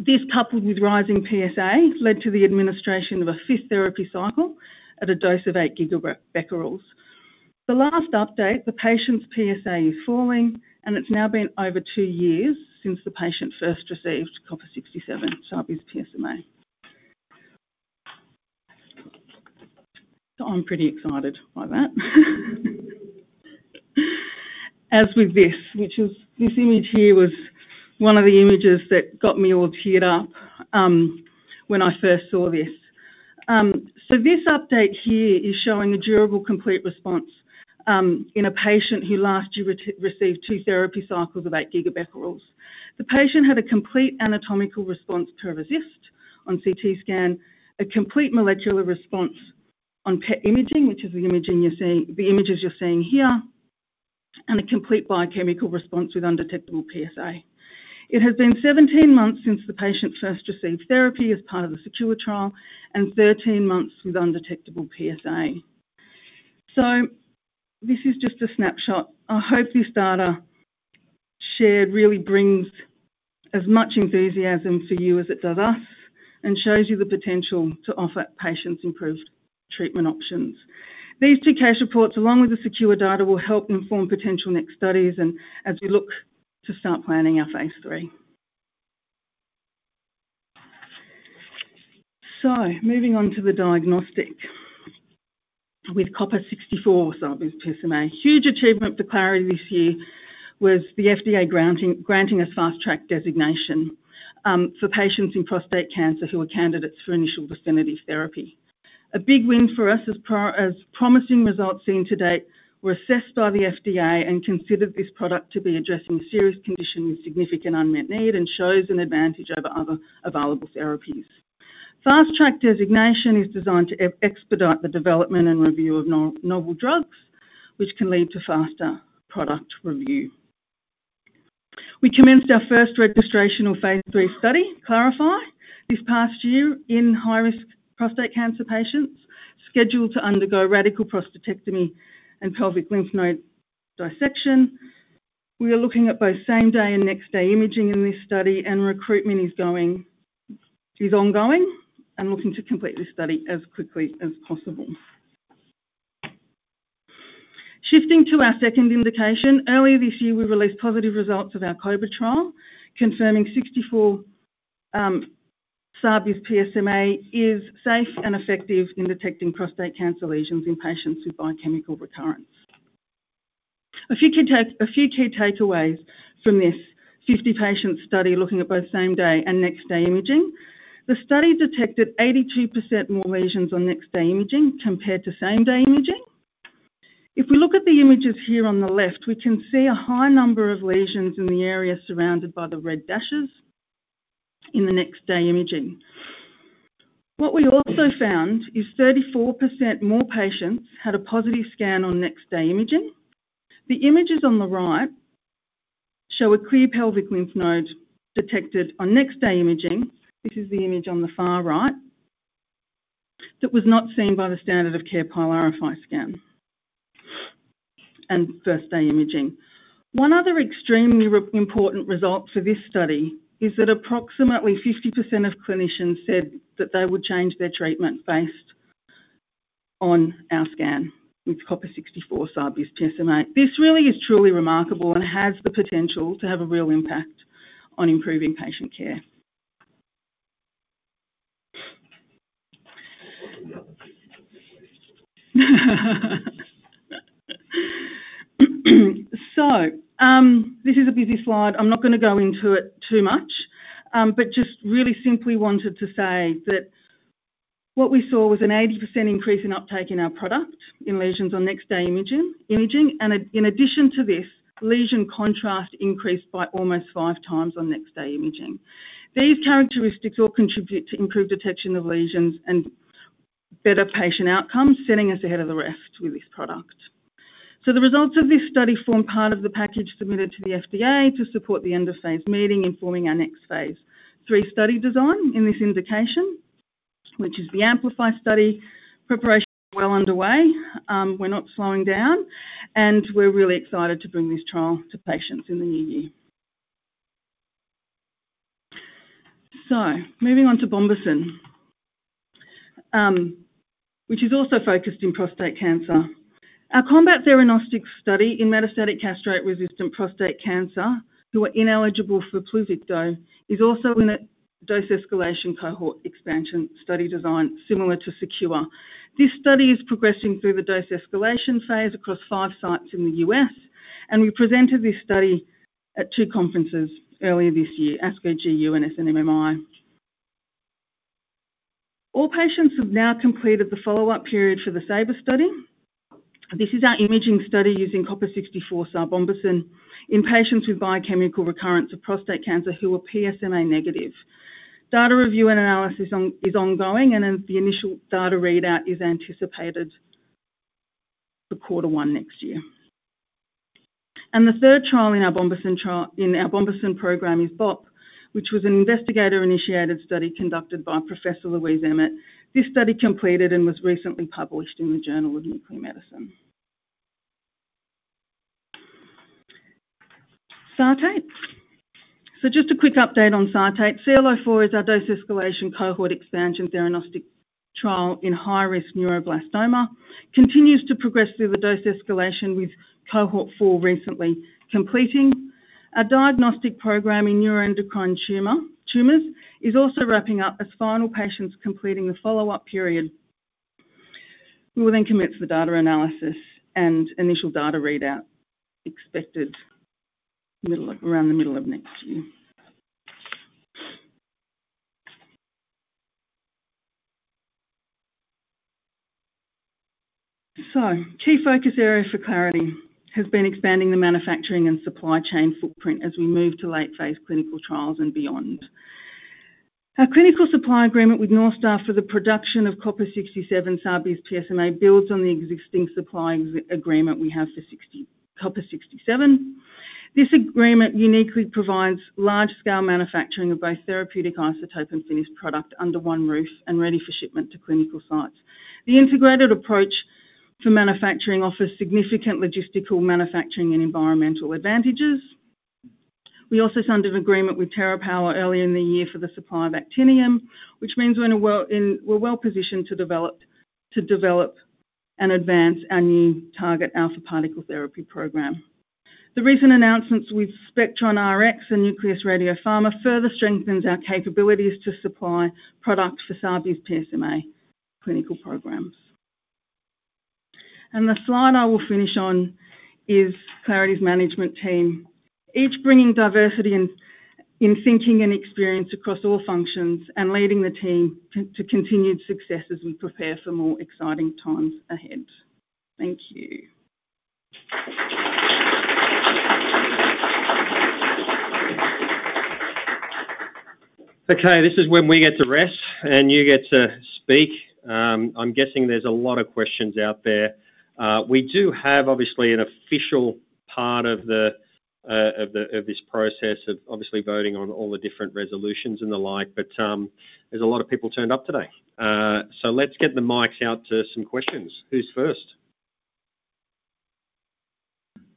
This, coupled with rising PSA, led to the administration of a fifth therapy cycle at a dose of 8 GBq. The last update, the patient's PSA is falling, and it's now been over two years since the patient first received Copper-67 SAR-bisPSMA. I'm pretty excited by that. As with this, which is this image here was one of the images that got me all teared up when I first saw this. This update here is showing a durable complete response in a patient who last year received two therapy cycles of 8 GBq. The patient had a complete anatomical response per RECIST on CT scan, a complete molecular response on PET imaging, which is the images you're seeing here, and a complete biochemical response with undetectable PSA. It has been 17 months since the patient first received therapy as part of the SECURE trial and 13 months with undetectable PSA. So this is just a snapshot. I hope this data shared really brings as much enthusiasm for you as it does us and shows you the potential to offer patients improved treatment options. These two case reports, along with the SECURE data, will help inform potential next studies and as we look to start planning our phase 3. So moving on to the diagnostic with Copper-64 SAR-bisPSMA. Huge achievement for Clarity this year was the FDA granting us Fast Track Designation for patients in prostate cancer who were candidates for initial definitive therapy. A big win for us as promising results seen to date were assessed by the FDA and considered this product to be addressing a serious condition with significant unmet need and shows an advantage over other available therapies. Fast Track Designation is designed to expedite the development and review of novel drugs, which can lead to faster product review. We commenced our first registrational Phase III study, CLARIFY, this past year in high-risk prostate cancer patients scheduled to undergo radical prostatectomy and pelvic lymph node dissection. We are looking at both same-day and next-day imaging in this study, and recruitment is ongoing and looking to complete this study as quickly as possible. Shifting to our second indication, earlier this year, we released positive results of our COBRA trial, confirming 64Cu-SAR-bisPSMA is safe and effective in detecting prostate cancer lesions in patients with biochemical recurrence. A few key takeaways from this 50-patient study looking at both same-day and next-day imaging. The study detected 82% more lesions on next-day imaging compared to same-day imaging. If we look at the images here on the left, we can see a high number of lesions in the area surrounded by the red dashes in the next-day imaging. What we also found is 34% more patients had a positive scan on next-day imaging. The images on the right show a clear pelvic lymph node detected on next-day imaging. This is the image on the far right that was not seen by the standard of care Pylarify scan and first-day imaging. One other extremely important result for this study is that approximately 50% of clinicians said that they would change their treatment based on our scan with Copper-64 SAR-bisPSMA. This really is truly remarkable and has the potential to have a real impact on improving patient care, so this is a busy slide. I'm not going to go into it too much, but just really simply wanted to say that what we saw was an 80% increase in uptake in our product in lesions on next-day imaging, and in addition to this, lesion contrast increased by almost five times on next-day imaging. These characteristics all contribute to improved detection of lesions and better patient outcomes, setting us ahead of the rest with this product. The results of this study form part of the package submitted to the FDA to support the end-of-phase meeting informing our next phase three study design in this indication, which is the AMPLIFY study. Preparation is well underway. We're not slowing down, and we're really excited to bring this trial to patients in the new year. Moving on to Bombesin, which is also focused in prostate cancer. Our COMBAT theranostic study in metastatic castrate-resistant prostate cancer, who are ineligible for Pluvicto, is also in a dose escalation cohort expansion study design similar to SECURE. This study is progressing through the dose escalation phase across five sites in the U.S., and we presented this study at two conferences earlier this year, ASCO GU and SNMMI. All patients have now completed the follow-up period for the SABRE study. This is our imaging study using Copper-64 SAR-Bombesin in patients with biochemical recurrence of prostate cancer who were PSMA negative. Data review and analysis is ongoing, and the initial data readout is anticipated for quarter one next year, and the third trial in our Bombesin program is BOP, which was an investigator-initiated study conducted by Professor Louise Emmett. This study completed and was recently published in the Journal of Nuclear Medicine. SARTATE, so just a quick update on SARTATE. CL04 is our dose escalation cohort expansion theranostic trial in high-risk neuroblastoma. Continues to progress through the dose escalation with cohort four recently completing. Our diagnostic program in neuroendocrine tumors is also wrapping up as final patients completing the follow-up period. We will then commence the data analysis and initial data readout expected around the middle of next year. Key focus area for Clarity has been expanding the manufacturing and supply chain footprint as we move to late-phase clinical trials and beyond. Our clinical supply agreement with NorthStar for the production of Copper-67 SAR-bisPSMA builds on the existing supply agreement we have for Copper-67. This agreement uniquely provides large-scale manufacturing of both therapeutic isotope and finished product under one roof and ready for shipment to clinical sites. The integrated approach for manufacturing offers significant logistical, manufacturing, and environmental advantages. We also signed an agreement with TerraPower earlier in the year for the supply of actinium, which means we're well positioned to develop and advance our new target alpha particle therapy program. The recent announcements with SpectronRx and Nucleus RadioPharma further strengthen our capabilities to supply product for SAR-bisPSMA clinical programs. The slide I will finish on is Clarity's management team, each bringing diversity in thinking and experience across all functions and leading the team to continued successes and prepare for more exciting times ahead. Thank you. Okay, this is when we get to rest and you get to speak. I'm guessing there's a lot of questions out there. We do have, obviously, an official part of this process of obviously voting on all the different resolutions and the like, but there's a lot of people turned up today. So let's get the mics out to some questions. Who's first?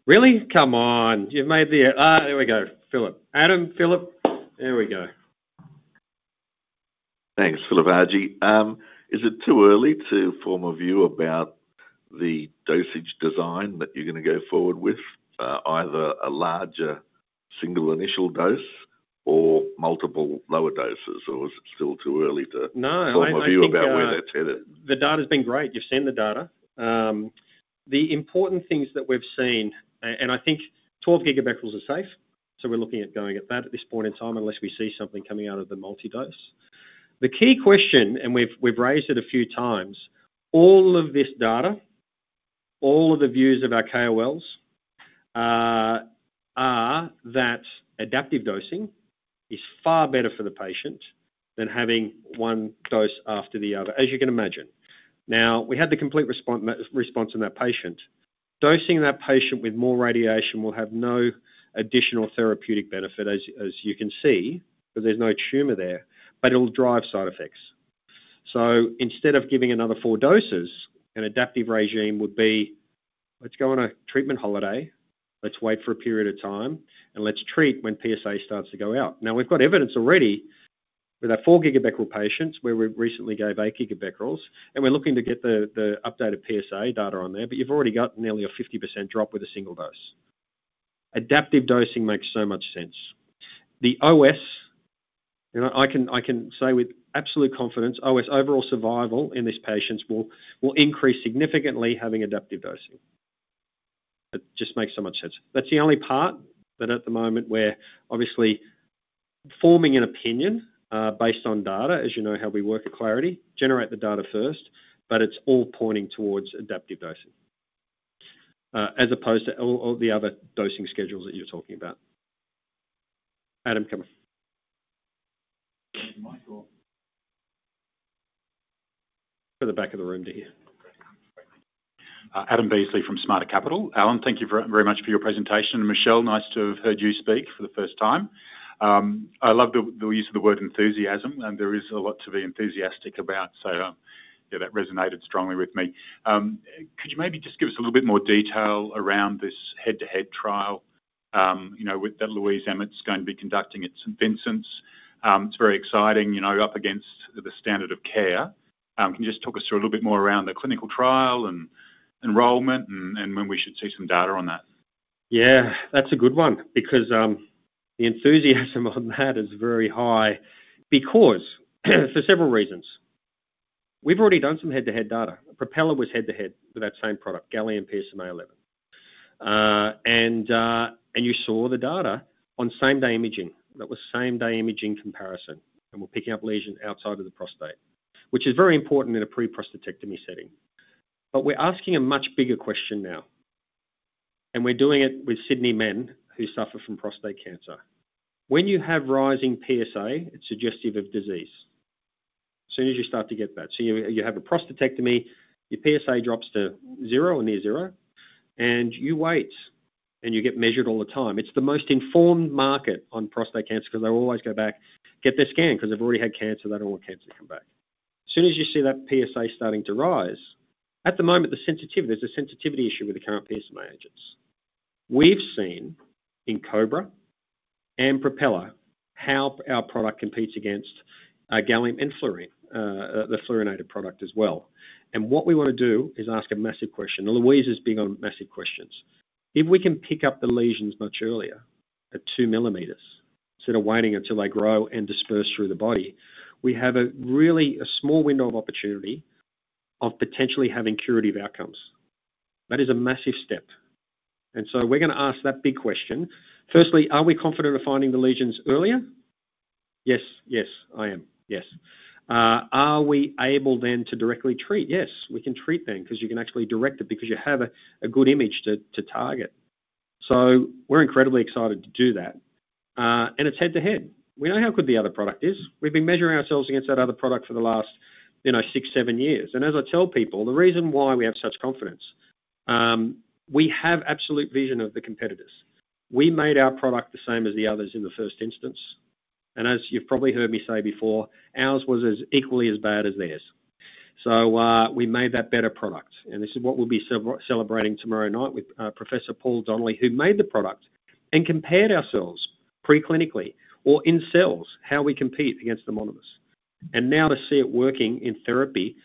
Really? Come on. You've made the, oh, there we go. Philip. Adam, Philip. There we go. Thanks, Phillip Ajji. Is it too early to form a view about the dosage design that you're going to go forward with, either a larger single initial dose or multiple lower doses, or is it still too early to form a view about where that's headed? The data's been great. You've seen the data. The important things that we've seen, and I think 12 GBq are safe, so we're looking at going at that at this point in time unless we see something coming out of the multi-dose. The key question, and we've raised it a few times, all of this data, all of the views of our KOLs are that adaptive dosing is far better for the patient than having one dose after the other, as you can imagine. Now, we had the complete response in that patient. Dosing that patient with more radiation will have no additional therapeutic benefit, as you can see, because there's no tumor there, but it'll drive side effects. So instead of giving another four doses, an adaptive regime would be, "Let's go on a treatment holiday. Let's wait for a period of time, and let's treat when PSA starts to go out." Now, we've got evidence already with our 4 GBq patients where we recently gave 8GBq, and we're looking to get the updated PSA data on there, but you've already got nearly a 50% drop with a single dose. Adaptive dosing makes so much sense. The OS, I can say with absolute confidence, OS overall survival in these patients will increase significantly having adaptive dosing. It just makes so much sense. That's the only part that at the moment we're obviously forming an opinion based on data, as you know how we work at Clarity, generate the data first, but it's all pointing towards adaptive dosing as opposed to all the other dosing schedules that you're talking about. Adam, come on. Michelle. For the back of the room to hear. Adam Beasley from Sparta Capital. Alan, thank you very much for your presentation. Michelle, nice to have heard you speak for the first time. I love the use of the word enthusiasm, and there is a lot to be enthusiastic about, so that resonated strongly with me. Could you maybe just give us a little bit more detail around this head-to-head trial that Louise Emmett's going to be conducting at St. Vincent's? It's very exciting, up against the standard of care. Can you just talk us through a little bit more around the clinical trial and enrollment and when we should see some data on that? Yeah, that's a good one because the enthusiasm on that is very high because for several reasons. We've already done some head-to-head data. Propeller was head-to-head with that same product, Gallium-68 PSMA-11. And you saw the data on same-day imaging. That was same-day imaging comparison, and we're picking up lesions outside of the prostate, which is very important in a pre-prostatectomy setting. But we're asking a much bigger question now, and we're doing it with Sydney men who suffer from prostate cancer. When you have rising PSA, it's suggestive of disease. As soon as you start to get that, so you have a prostatectomy, your PSA drops to zero or near zero, and you wait, and you get measured all the time. It's the most informed market on prostate cancer because they'll always go back, get their scan because they've already had cancer. They don't want cancer to come back. As soon as you see that PSA starting to rise, at the moment, there's a sensitivity issue with the current PSMA agents. We've seen in COBRA and PROPELLER how our product competes against Gallium and Fluorine, the fluorinated product as well. And what we want to do is ask a massive question. Louise is big on massive questions. If we can pick up the lesions much earlier, at two millimeters, instead of waiting until they grow and disperse through the body, we have a really small window of opportunity of potentially having curative outcomes. That is a ma ssive step. And so we're going to ask that big question. Firstly, are we confident of finding the lesions earlier? Yes, yes, I am. Yes. Are we able then to directly treat? Yes, we can treat them because you can actually direct it because you have a good image to target. So we're incredibly excited to do that. And it's head-to-head. We know how good the other product is. We've been measuring ourselves against that other product for the last six, seven years. And as I tell people, the reason why we have such confidence, we have absolute vision of the competitors. We made our product the same as the others in the first instance. And as you've probably heard me say before, ours was as equally as bad as theirs. So we made that better product. And this is what we'll be celebrating tomorrow night with Professor Paul Donnelly, who made the product and compared ourselves preclinically or in cells how we compete against the monomers. Now to see it working in therapy,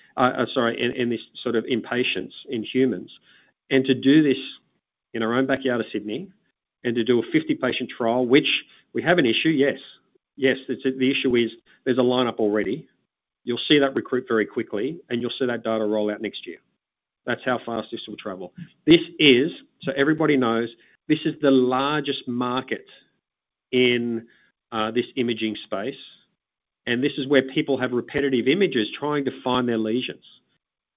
sorry, in this sort of in patients, in humans, and to do this in our own backyard of Sydney and to do a 50-patient trial, which we have an issue, yes. Yes, the issue is there's a lineup already. You'll see that recruit very quickly, and you'll see that data roll out next year. That's how fast this will travel. So everybody knows this is the largest market in this imaging space, and this is where people have repetitive images trying to find their lesions.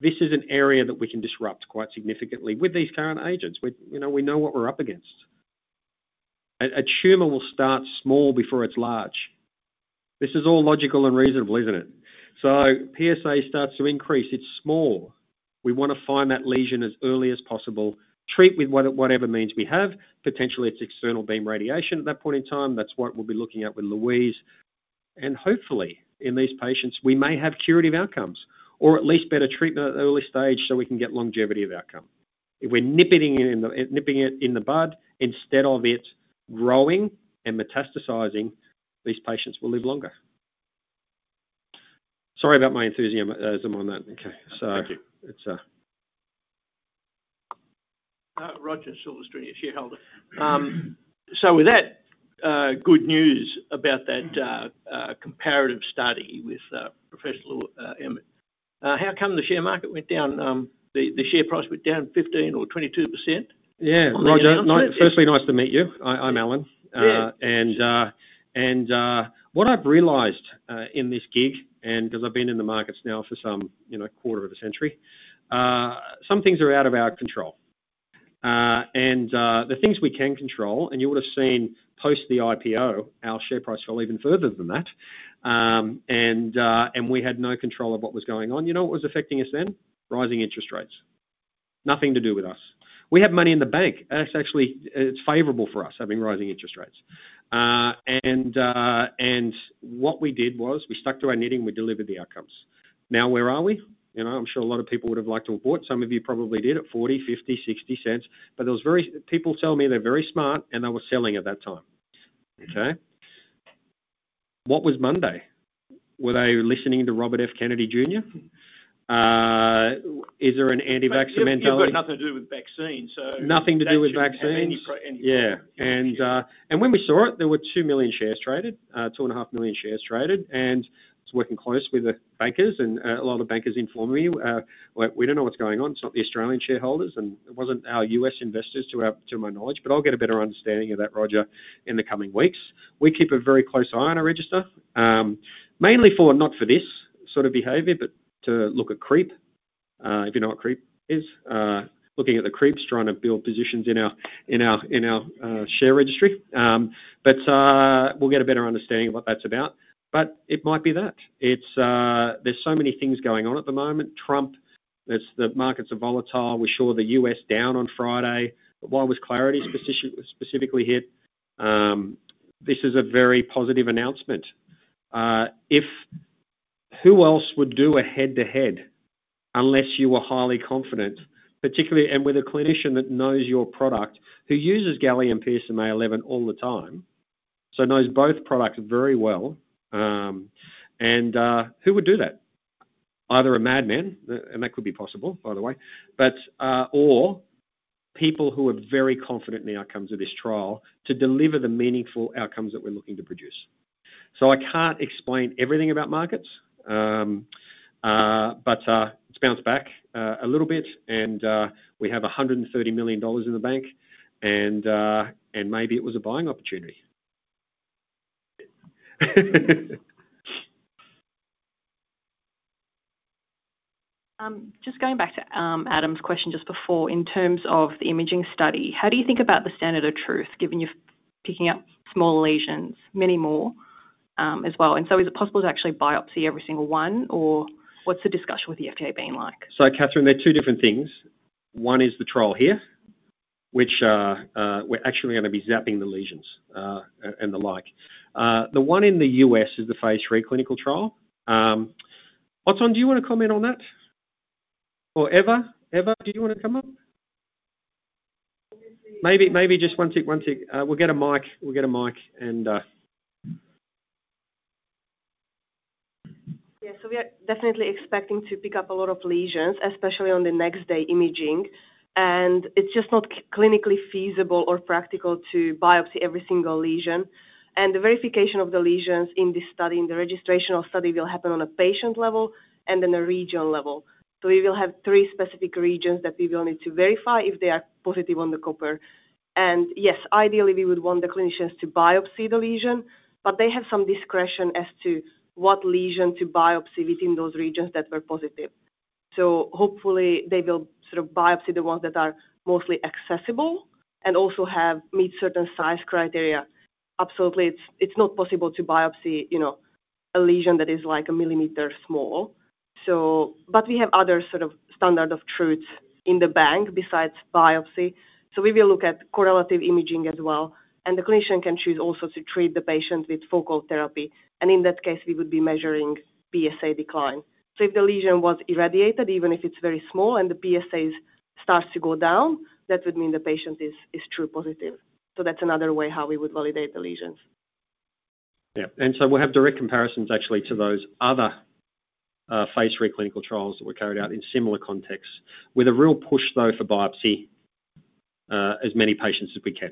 This is an area that we can disrupt quite significantly with these current agents. We know what we're up against. A tumor will start small before it's large. This is all logical and reasonable, isn't it? So PSA starts to increase. It's small. We want to find that lesion as early as possible, treat with whatever means we have, potentially it's external beam radiation. At that point in time, that's what we'll be looking at with Louise, and hopefully, in these patients, we may have curative outcomes or at least better treatment at the early stage so we can get longevity of outcome. If we're nipping it in the bud instead of it growing and metastasizing, these patients will live longer. Sorry about my enthusiasm on that. Okay. Thank you. Roger. Silverstream, your shareholder. So with that, good news about that comparative study with Professor Emmett. How come the share market went down? The share price went down 15% or 22%. Yeah. Roger. Firstly, nice to meet you. I'm Alan. And what I've realized in this gig, and because I've been in the markets now for some quarter of a century, some things are out of our control. And the things we can control, and you would have seen post the IPO, our share price fell even further than that, and we had no control of what was going on. You know what was affecting us then? Rising interest rates. Nothing to do with us. We have money in the bank. It's favorable for us having rising interest rates. And what we did was we stuck to our knitting. We delivered the outcomes. Now, where are we? I'm sure a lot of people would have liked to have bought. Some of you probably did at 0.40, 0.50, 0.60. But people tell me they're very smart, and they were selling at that time. Okay? What was Monday? Were they listening to Robert F. Kennedy Jr.? Is there an anti-vax mentality? Nothing to do with vaccines, so. Nothing to do with vaccines. Yeah. And when we saw it, there were two million shares traded, two and a half million shares traded. And I was working closely with the bankers, and a lot of the bankers informed me, "We don't know what's going on. It's not the Australian shareholders, and it wasn't our U.S. investors, to my knowledge." But I'll get a better understanding of that, Roger, in the coming weeks. We keep a very close eye on our register, mainly not for this sort of behavior, but to look at CREEP, if you know what CREEP is. Looking at the CREEPs, trying to build positions in our share registry. But we'll get a better understanding of what that's about. But it might be that. There's so many things going on at the moment. Trump, the markets are volatile. We saw the U.S. down on Friday. Why was Clarity specifically hit? This is a very positive announcement. Who else would do a head-to-head unless you were highly confident, particularly with a clinician that knows your product, who uses Gallium PSMA 11 all the time, so knows both products very well? And who would do that? Either a madman, and that could be possible, by the way, or people who are very confident in the outcomes of this trial to deliver the meaningful outcomes that we're looking to produce. So I can't explain everything about markets, but let's bounce back a little bit. And we have 130 million dollars in the bank, and maybe it was a buying opportunity. Just going back to Adam's question just before, in terms of the imaging study, how do you think about the standard of truth, given you're picking up small lesions, many more as well? And so is it possible to actually biopsy every single one, or what's the discussion with the FDA being like? So, they're two different things. One is the trial here, which we're actually going to be zapping the lesions and the like. The one in the U.S. is the Phase III clinical trial. Othon, do you want to comment on that? Or Eva? Eva, do you want to come up? Obviously. Maybe just one tick. We'll get a mic. Yeah. So we are definitely expecting to pick up a lot of lesions, especially on the next-day imaging. And it's just not clinically feasible or practical to biopsy every single lesion. And the verification of the lesions in this study, in the registrational study, will happen on a patient level and then a region level. So we will have three specific regions that we will need to verify if they are positive on the COBRA. And yes, ideally, we would want the clinicians to biopsy the lesion, but they have some discretion as to what lesion to biopsy within those regions that were positive. So hopefully, they will sort of biopsy the ones that are mostly accessible and also meet certain size criteria. Absolutely, it's not possible to biopsy a lesion that is like a millimeter small. But we have other sort of standard of truth in the bank besides biopsy. So we will look at correlative imaging as well. And the clinician can choose also to treat the patient with focal therapy. And in that case, we would be measuring PSA decline. So if the lesion was irradiated, even if it's very small and the PSA starts to go down, that would mean the patient is true positive. So that's another way how we would validate the lesions. Yeah, and so we'll have direct comparisons, actually, to those other phase three clinical trials that were carried out in similar contexts with a real push, though, for biopsy as many patients as we can.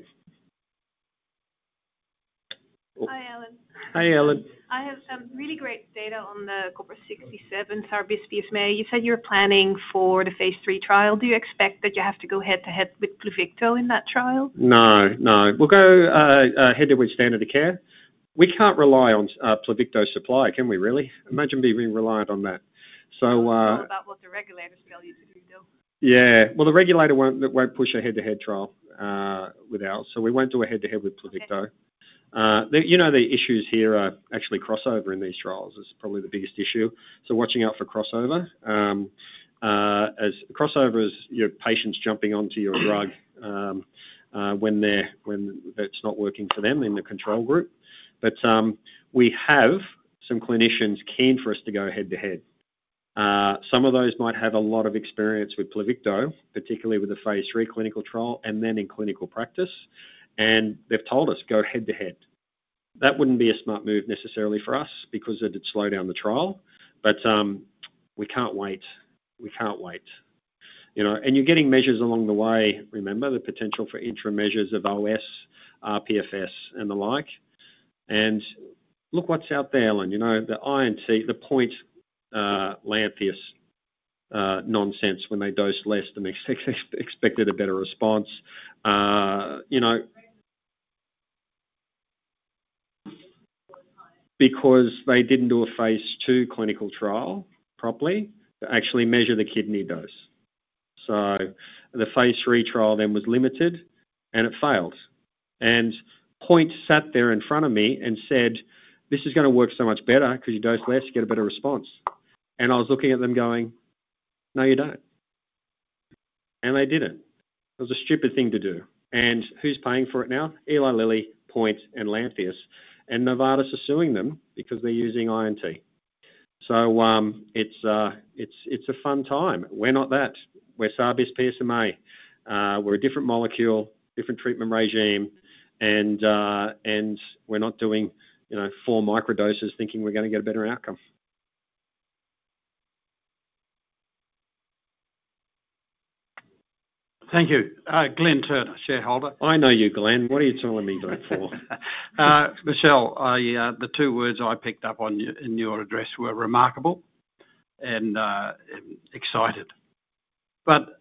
Hi, Alan. Hey, Ellen. I have some really great data on the Copper-67, SAR-bisPSMA. You said you were planning for the phase three trial. Do you expect that you have to go head-to-head with Pluvicto in that trial? No, no. We'll go head-to-head with standard of care. We can't rely on Pluvicto's supply, can we really? Imagine being reliant on that. What about what the regulators tell you to do, though? Yeah. Well, the regulator won't push a head-to-head trial without. So we won't do a head-to-head with Pluvicto. You know the issues here are actually crossover in these trials is probably the biggest issue. So watching out for crossover. Crossover is your patients jumping onto your drug when it's not working for them in the control group. But we have some clinicians keen for us to go head-to-head. Some of those might have a lot of experience with Pluvicto, particularly with the phase three clinical trial and then in clinical practice. And they've told us, "Go head-to-head." That wouldn't be a smart move necessarily for us because it'd slow down the trial. But we can't wait. We can't wait, and you're getting measures along the way. Remember the potential for intra-measures of OS, RPFS, and the like, and look what's out there, Alan. The PSMA-I&T, the POINT Lantheus nonsense when they dose less than expected a better response because they didn't do a phase two clinical trial properly to actually measure the kidney dose. So the phase three trial then was limited, and it failed. And POINT sat there in front of me and said, "This is going to work so much better because you dose less, you get a better response." And I was looking at them going, "No, you don't." And they didn't. It was a stupid thing to do. And who's paying for it now? Eli Lilly, POINT, and Lantheus. And Novartis are suing them because they're using PSMA-I&T. So it's a fun time. We're not that. We're SAR-bisPSMA. We're a different molecule, different treatment regimen. And we're not doing four microdoses thinking we're going to get a better outcome. Thank you. Glenn Turner, shareholder. I know you, Glenn. What are you telling me that for? Michelle, the two words I picked up on in your address were remarkable and excited. But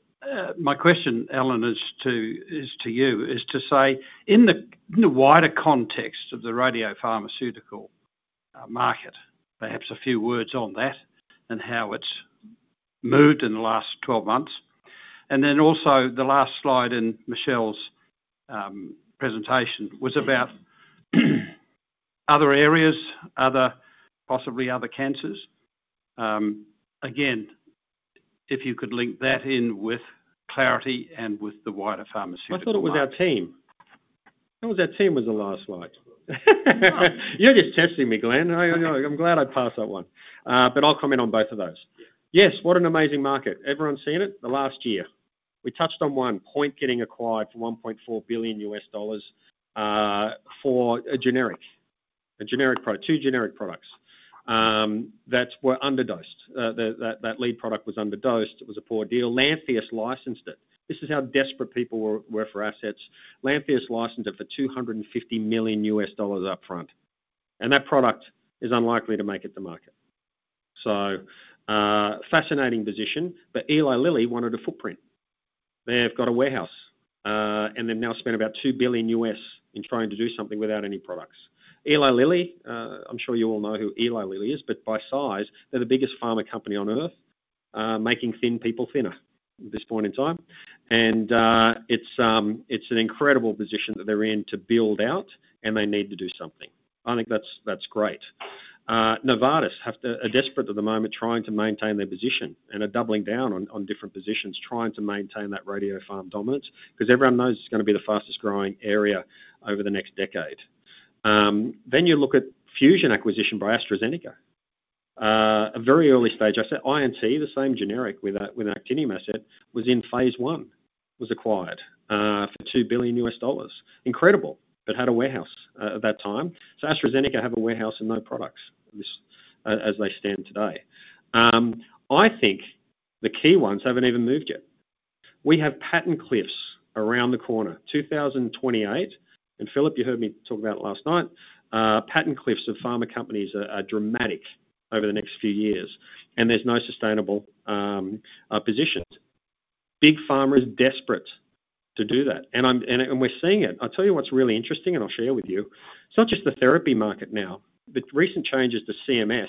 my question, Alan, is to you to say, in the wider context of the radiopharmaceutical market, perhaps a few words on that and how it's moved in the last 12 months. And then also, the last slide in Michelle's presentation was about other areas, possibly other cancers. Again, if you could link that in with Clarity and with the wider pharmaceutical market. I thought it was our team. I thought it was our team was the last slide. You're just testing me, Glenn. I'm glad I passed that one. But I'll comment on both of those. Yes, what an amazing market. Everyone's seen it. The last year. We touched on one, POINT getting acquired for $1.4 billion for a generic product, two generic products. That were underdosed. That lead product was underdosed. It was a poor deal. Lantheus licensed it. This is how desperate people were for assets. Lantheus licensed it for $250 million upfront. And that product is unlikely to make it to market. So fascinating position. But Eli Lilly wanted a footprint. They've got a warehouse. And they've now spent about $2 billion in trying to do something without any products. Eli Lilly, I'm sure you all know who Eli Lilly is, but by size, they're the biggest pharma company on earth making thin people thinner at this point in time, and it's an incredible position that they're in to build out, and they need to do something. I think that's great. Novartis are desperate at the moment trying to maintain their position and are doubling down on different positions trying to maintain that radiopharma dominance because everyone knows it's going to be the fastest-growing area over the next decade, then you look at Fusion acquisition by AstraZeneca. A very early stage, I said I&T, the same generic with Actinium asset, was in phase one, was acquired for $2 billion. Incredible, but had a warehouse at that time, so AstraZeneca have a warehouse and no products as they stand today. I think the key ones haven't even moved yet. We have patent cliffs around the corner. 2028, and Philip, you heard me talk about it last night. Patent cliffs of pharma companies are dramatic over the next few years, and there's no sustainable positions. Big pharma is desperate to do that, and we're seeing it. I'll tell you what's really interesting, and I'll share with you. It's not just the therapy market now. The recent changes to CMS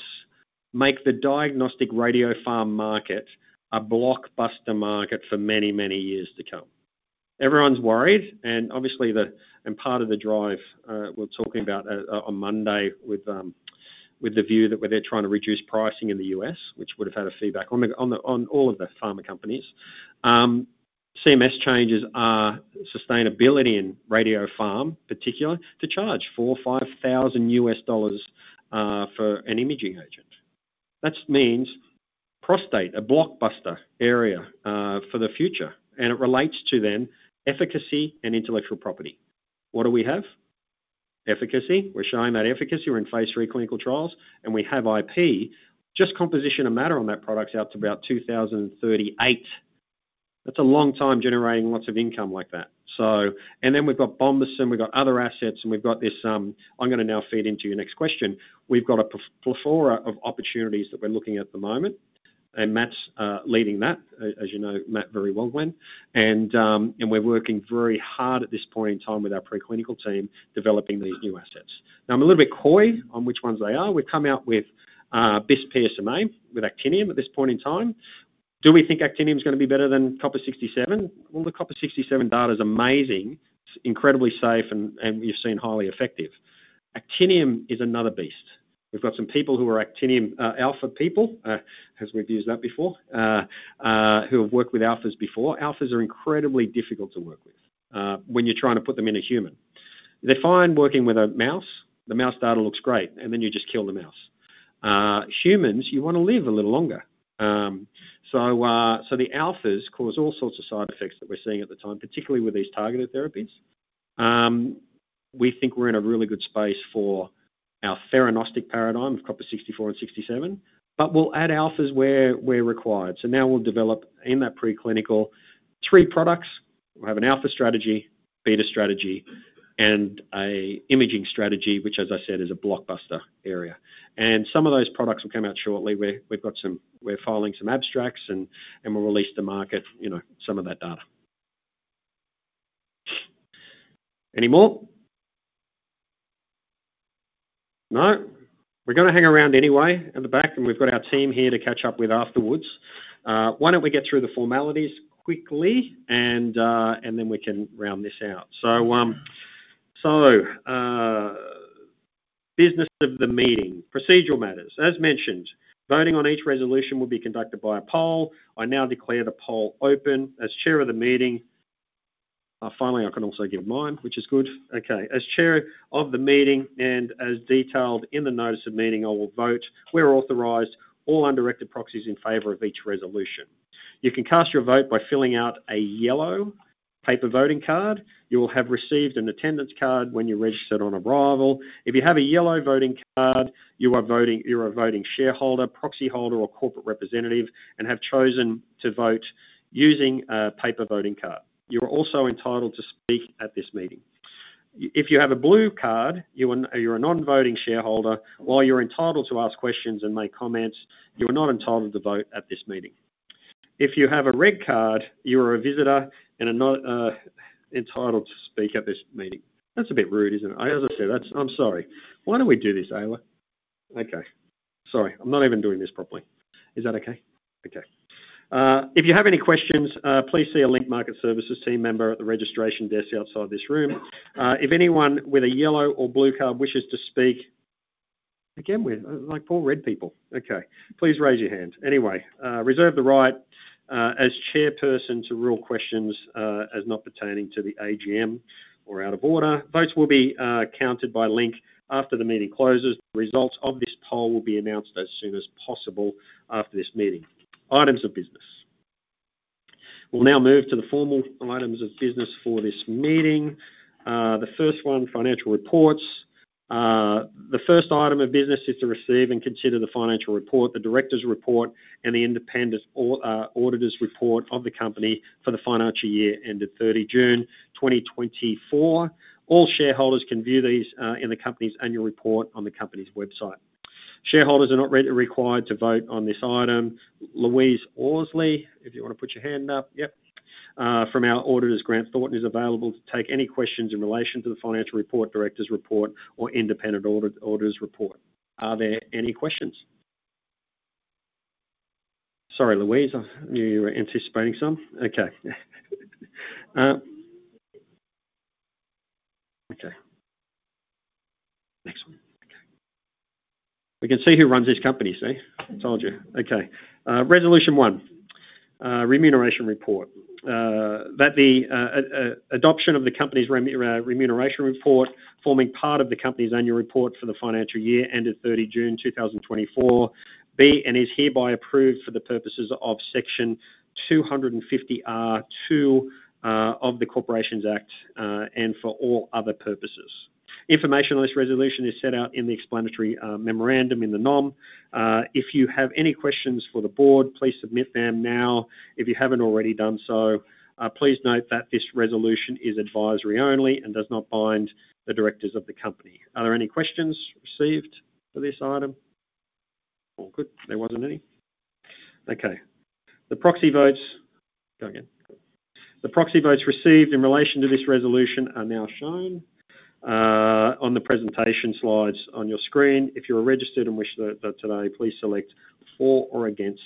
make the diagnostic radiopharma market a blockbuster market for many, many years to come. Everyone's worried. And obviously, part of the drive we're talking about on Monday with the view that they're trying to reduce pricing in the U.S., which would have had a feedback on all of the pharma companies. CMS changes are sustainability in radiopharma particular to charge $4,000-$5,000 for an imaging agent. That means prostate, a blockbuster area for the future. It relates to efficacy and intellectual property. What do we have? Efficacy. We're showing that efficacy. We're in phase three clinical trials. We have IP. Just composition of matter on that product's out to about 2038. That's a long time generating lots of income like that. Then we've got Bombesin, and we've got other assets, and we've got this. I'm going to now feed into your next question. We've got a plethora of opportunities that we're looking at at the moment. Matt's leading that, as you know Matt very well, Glenn. We're working very hard at this point in time with our preclinical team developing these new assets. Now, I'm a little bit coy on which ones they are. We've come out with this PSMA with actinium at this point in time. Do we think actinium is going to be better than Copper 67? The Copper 67 data is amazing. It's incredibly safe, and we've seen highly effective. Actinium is another beast. We've got some people who are Actinium alpha people, as we've used that before, who have worked with alphas before. Alphas are incredibly difficult to work with when you're trying to put them in a human. They're fine working with a mouse. The mouse data looks great, and then you just kill the mouse. Humans, you want to live a little longer. The alphas cause all sorts of side effects that we're seeing at the time, particularly with these targeted therapies. We think we're in a really good space for our theranostic paradigm of Copper 64 and 67. But we'll add alphas where required. Now we'll develop in that preclinical three products. We'll have an alpha strategy, beta strategy, and an imaging strategy, which, as I said, is a blockbuster area. And some of those products will come out shortly. We're filing some abstracts, and we'll release to market some of that data. Any more? No? We're going to hang around anyway at the back, and we've got our team here to catch up with afterwards. Why don't we get through the formalities quickly, and then we can round this out. So business of the meeting. Procedural matters. As mentioned, voting on each resolution will be conducted by a poll. I now declare the poll open. As chair of the meeting, finally, I can also give mine, which is good. Okay. As chair of the meeting and as detailed in the notice of meeting, I will vote. We're authorized all undirected proxies in favor of each resolution. You can cast your vote by filling out a yellow paper voting card. You will have received an attendance card when you registered on arrival. If you have a yellow voting card, you are voting shareholder, proxy holder, or corporate representative and have chosen to vote using a paper voting card. You are also entitled to speak at this meeting. If you have a blue card, you're a non-voting shareholder, while you're entitled to ask questions and make comments, you are not entitled to vote at this meeting. If you have a red card, you are a visitor and entitled to speak at this meeting. That's a bit rude, isn't it? As I said, I'm sorry. Why don't we do this, Ayla? Okay. Sorry. I'm not even doing this properly. Is that okay? Okay. If you have any questions, please see a Link Market Services team member at the registration desk outside this room. If anyone with a yellow or blue card wishes to speak again with like four red people, okay, please raise your hand. Anyway, reserve the right as chairperson to rule questions as not pertaining to the AGM or out of order. Votes will be counted by Link after the meeting closes. The results of this poll will be announced as soon as possible after this meeting. Items of business. We'll now move to the formal items of business for this meeting. The first one, financial reports. The first item of business is to receive and consider the financial report, the director's report, and the independent auditor's report of the company for the financial year ended 30 June 2024. All shareholders can view these in the company's annual report on the company's website. Shareholders are not required to vote on this item. Louise Worsley, if you want to put your hand up, yep, from our auditors, Grant Thornton is available to take any questions in relation to the financial report, director's report, or independent auditor's report. Are there any questions? Sorry, Louise. I knew you were anticipating some. Okay. Okay. Next one. Okay. We can see who runs this company, see? Told you. Okay. Resolution one, remuneration report. That the adoption of the company's remuneration report forming part of the company's annual report for the financial year ended 30 June 2024 be and is hereby approved for the purposes of section 250R(2) of the Corporations Act and for all other purposes. Information on this resolution is set out in the explanatory memorandum in the NOM. If you have any questions for the board, please submit them now. If you haven't already done so, please note that this resolution is advisory only and does not bind the directors of the company. Are there any questions received for this item? All good. There wasn't any. Okay. The proxy votes go again. The proxy votes received in relation to this resolution are now shown on the presentation slides on your screen. If you're registered and wish that today, please select for or against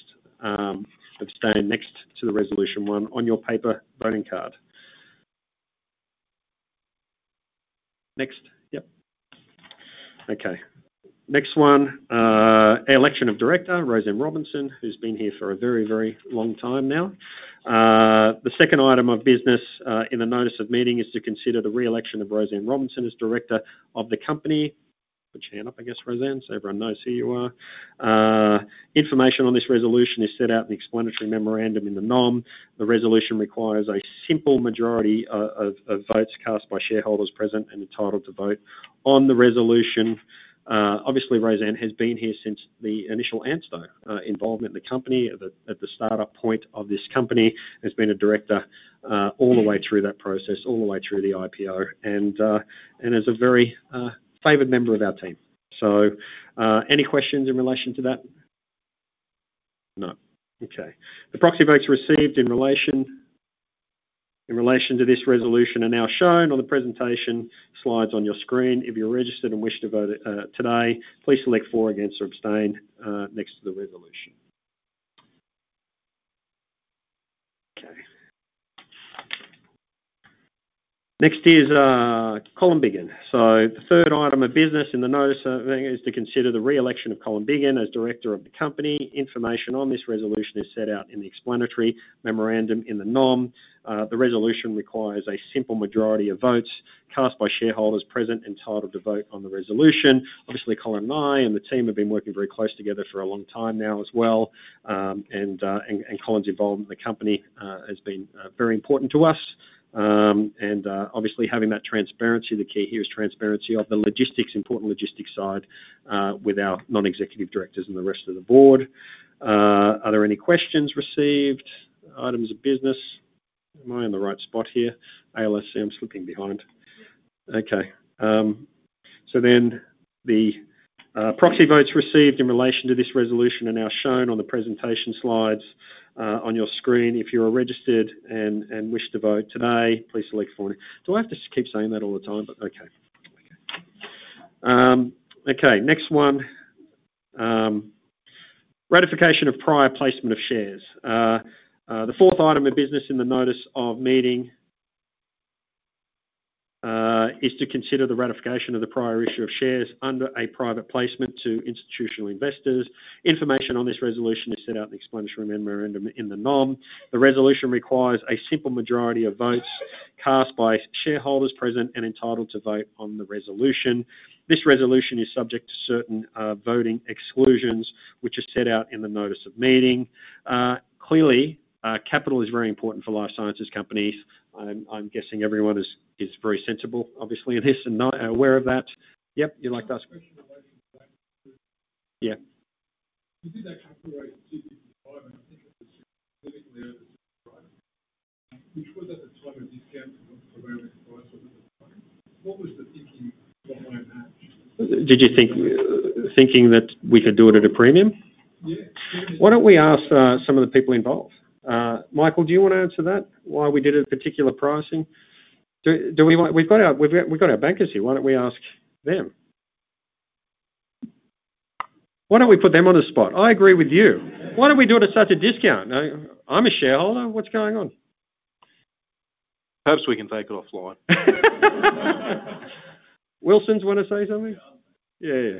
abstain next to the resolution one on your paper voting card. Next. Yep. Okay. Next one, election of director, Rosanne Robinson, who's been here for a very, very long time now. The second item of business in the notice of meeting is to consider the re-election of Rosanne Robinson as director of the company. Put your hand up, I guess, Rosanne, so everyone knows who you are. Information on this resolution is set out in the explanatory memorandum in the NOM. The resolution requires a simple majority of votes cast by shareholders present and entitled to vote on the resolution. Obviously, Rosanne has been here since the initial ANSTO involvement in the company at the startup point of this company. Has been a director all the way through that process, all the way through the IPO, and is a very favored member of our team. So any questions in relation to that? No. Okay. The proxy votes received in relation to this resolution are now shown on the presentation slides on your screen. If you're registered and wish to vote today, please select for or against or abstain next to the resolution. Okay. Next is Colin Biggin. So the third item of business in the notice of meeting is to consider the re-election of Colin Biggin as director of the company. Information on this resolution is set out in the explanatory memorandum in the NOM. The resolution requires a simple majority of votes cast by shareholders present entitled to vote on the resolution. Obviously, Colin and I and the team have been working very close together for a long time now as well. And Colin's involvement in the company has been very important to us. And obviously, having that transparency, the key here is transparency of the important logistics side with our non-executive directors and the rest of the board. Are there any questions received? Items of business. Am I in the right spot here? Ayla, see, I'm slipping behind. Okay. So then the proxy votes received in relation to this resolution are now shown on the presentation slides on your screen. If you are registered and wish to vote today, please select for me. Do I have to keep saying that all the time? But okay. Okay. Next one. Ratification of prior placement of shares. The fourth item of business in the notice of meeting is to consider the ratification of the prior issue of shares under a private placement to institutional investors. Information on this resolution is set out in the explanatory memorandum in the NOM. The resolution requires a simple majority of votes cast by shareholders present and entitled to vote on the resolution. This resolution is subject to certain voting exclusions, which are set out in the notice of meeting. Clearly, capital is very important for life sciences companies. I'm guessing everyone is very sensible, obviously, in this and aware of that. Yep. You like to ask questions? Yeah. You did that calculation specifically for the time, and I think it was specifically over. Right? Which was at the time a discount for those prices at the time. What was the thinking behind that? Did you think that we could do it at a premium? Yeah. Why don't we ask some of the people involved? Michael, do you want to answer that? Why we did a particular pricing? We've got our bankers here. Why don't we ask them? Why don't we put them on the spot? I agree with you. Why don't we do it at such a discount? I'm a shareholder. What's going on? Perhaps we can take it offline. Wilsons want to say something? Yeah, yeah.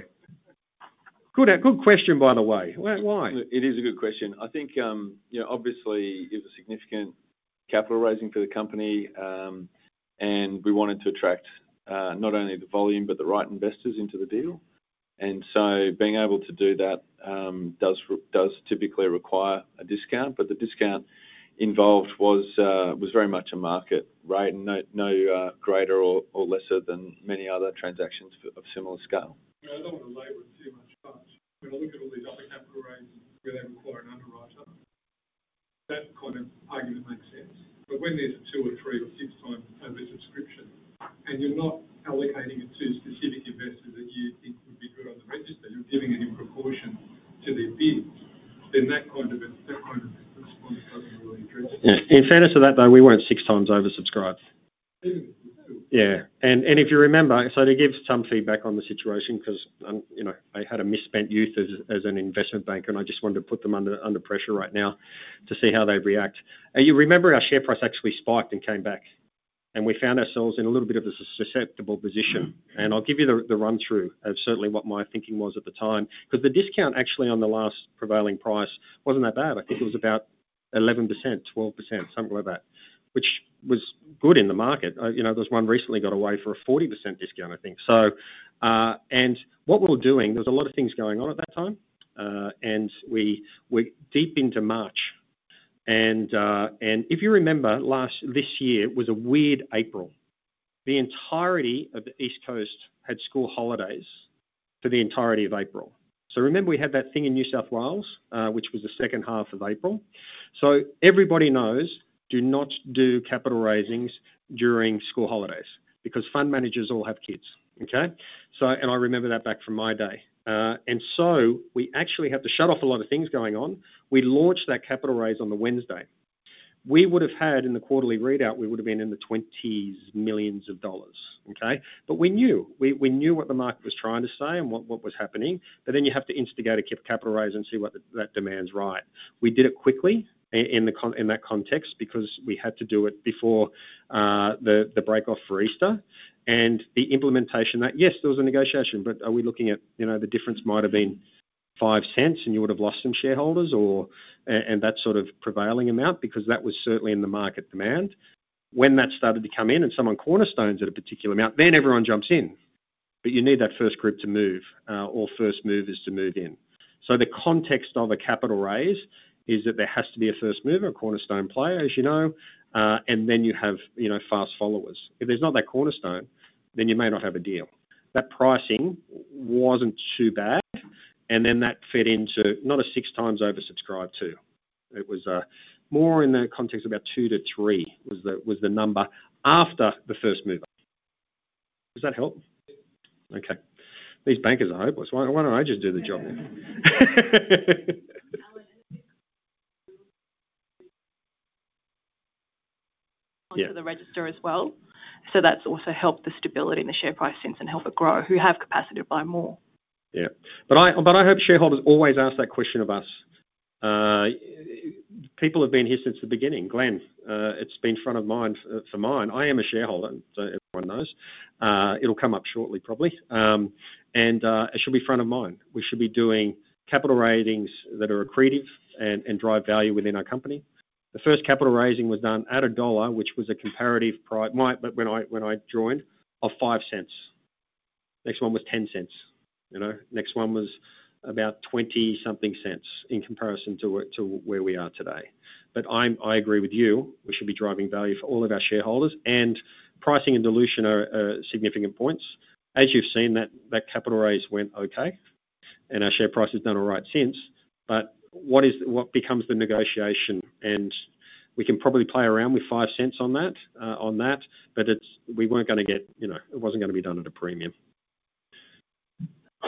Good question, by the way. Why? It is a good question. I think, obviously, it was a significant capital raising for the company, and we wanted to attract not only the volume but the right investors into the deal. And so being able to do that does typically require a discount. But the discount involved was very much a market rate and no greater or lesser than many other transactions of similar scale. I don't want to label it too much. When I look at all these other capital raisings where they require an underwriter, that kind of argument makes sense. But when there's a two or three or six-time average subscription, and you're not allocating it to specific investors that you think would be good on the register, you're giving it in proportion to their bids, then that kind of response doesn't really address it. In fairness to that, though, we weren't six times oversubscribed. Even if we do. Yeah. If you remember, so to give some feedback on the situation, because I had a misspent youth as an investment banker, and I just wanted to put them under pressure right now to see how they'd react. You remember our share price actually spiked and came back, and we found ourselves in a little bit of a susceptible position. I'll give you the run-through of certainly what my thinking was at the time. Because the discount actually on the last prevailing price wasn't that bad. I think it was about 11%-12%, something like that, which was good in the market. There was one recently got away for a 40% discount, I think. What we were doing, there was a lot of things going on at that time, and we were deep into March. If you remember, this year was a weird April. The entirety of the East Coast had school holidays for the entirety of April. So remember, we had that thing in New South Wales, which was the second half of April. Everybody knows, do not do capital raisings during school holidays because fund managers all have kids. Okay? And I remember that back from my day. And so we actually had to shut off a lot of things going on. We launched that capital raise on the Wednesday. We would have had in the quarterly readout, we would have been in the 20s millions of dollars. Okay? But we knew. We knew what the market was trying to say and what was happening. But then you have to instigate a capital raise and see what that demand's right. We did it quickly in that context because we had to do it before the break off for Easter. The implementation that yes, there was a negotiation, but are we looking at the difference might have been 0.05 and you would have lost some shareholders and that sort of prevailing amount because that was certainly in the market demand. When that started to come in and someone cornerstones at a particular amount, then everyone jumps in. But you need that first group to move or first movers to move in. So the context of a capital raise is that there has to be a first mover, a cornerstone player, as you know, and then you have fast followers. If there's not that cornerstone, then you may not have a deal. That pricing wasn't too bad, and then that fit into not a six times oversubscribed too. It was more in the context of about two to three was the number after the first mover. Does that help? Yep. Okay. These bankers are hopeless. Why don't I just do the job then? Onto the register as well. So that's also helped the stability in the share price since and helped it grow, who have capacity to buy more. Yeah. But I hope shareholders always ask that question of us. People have been here since the beginning. Glenn, it's been front of mind for mine. I am a shareholder. Everyone knows. It'll come up shortly, probably. And it should be front of mind. We should be doing capital raisings that are accretive and drive value within our company. The first capital raising was done at AUD 1, which was a comparative price when I joined of 0.05. Next one was 0.10. Next one was about 20-something cents in comparison to where we are today. But I agree with you. We should be driving value for all of our shareholders. And pricing and dilution are significant points. As you've seen, that capital raise went okay, and our share price has done all right since. But what becomes the negotiation? And we can probably play around with 0.05 on that, but we weren't going to get it. It wasn't going to be done at a premium.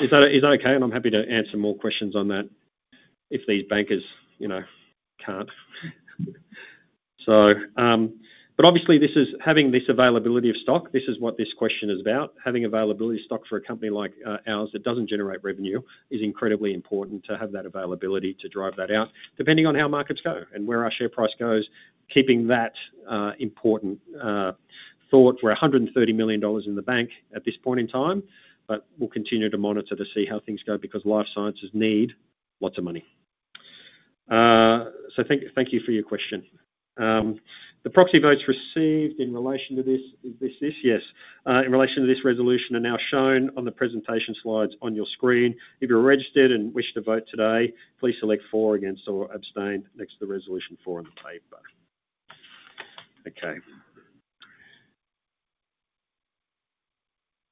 Is that okay? And I'm happy to answer more questions on that if these bankers can't. But obviously, having this availability of stock, this is what this question is about. Having availability of stock for a company like ours that doesn't generate revenue is incredibly important to have that availability to drive that out. Depending on how markets go and where our share price goes, keeping that important thought. We're 130 million dollars in the bank at this point in time, but we'll continue to monitor to see how things go because life sciences need lots of money. So thank you for your question. The proxy votes received in relation to this is this? Yes. In relation to this resolution are now shown on the presentation slides on your screen. If you're registered and wish to vote today, please select for or against or abstain next to the resolution four on the paper. Okay.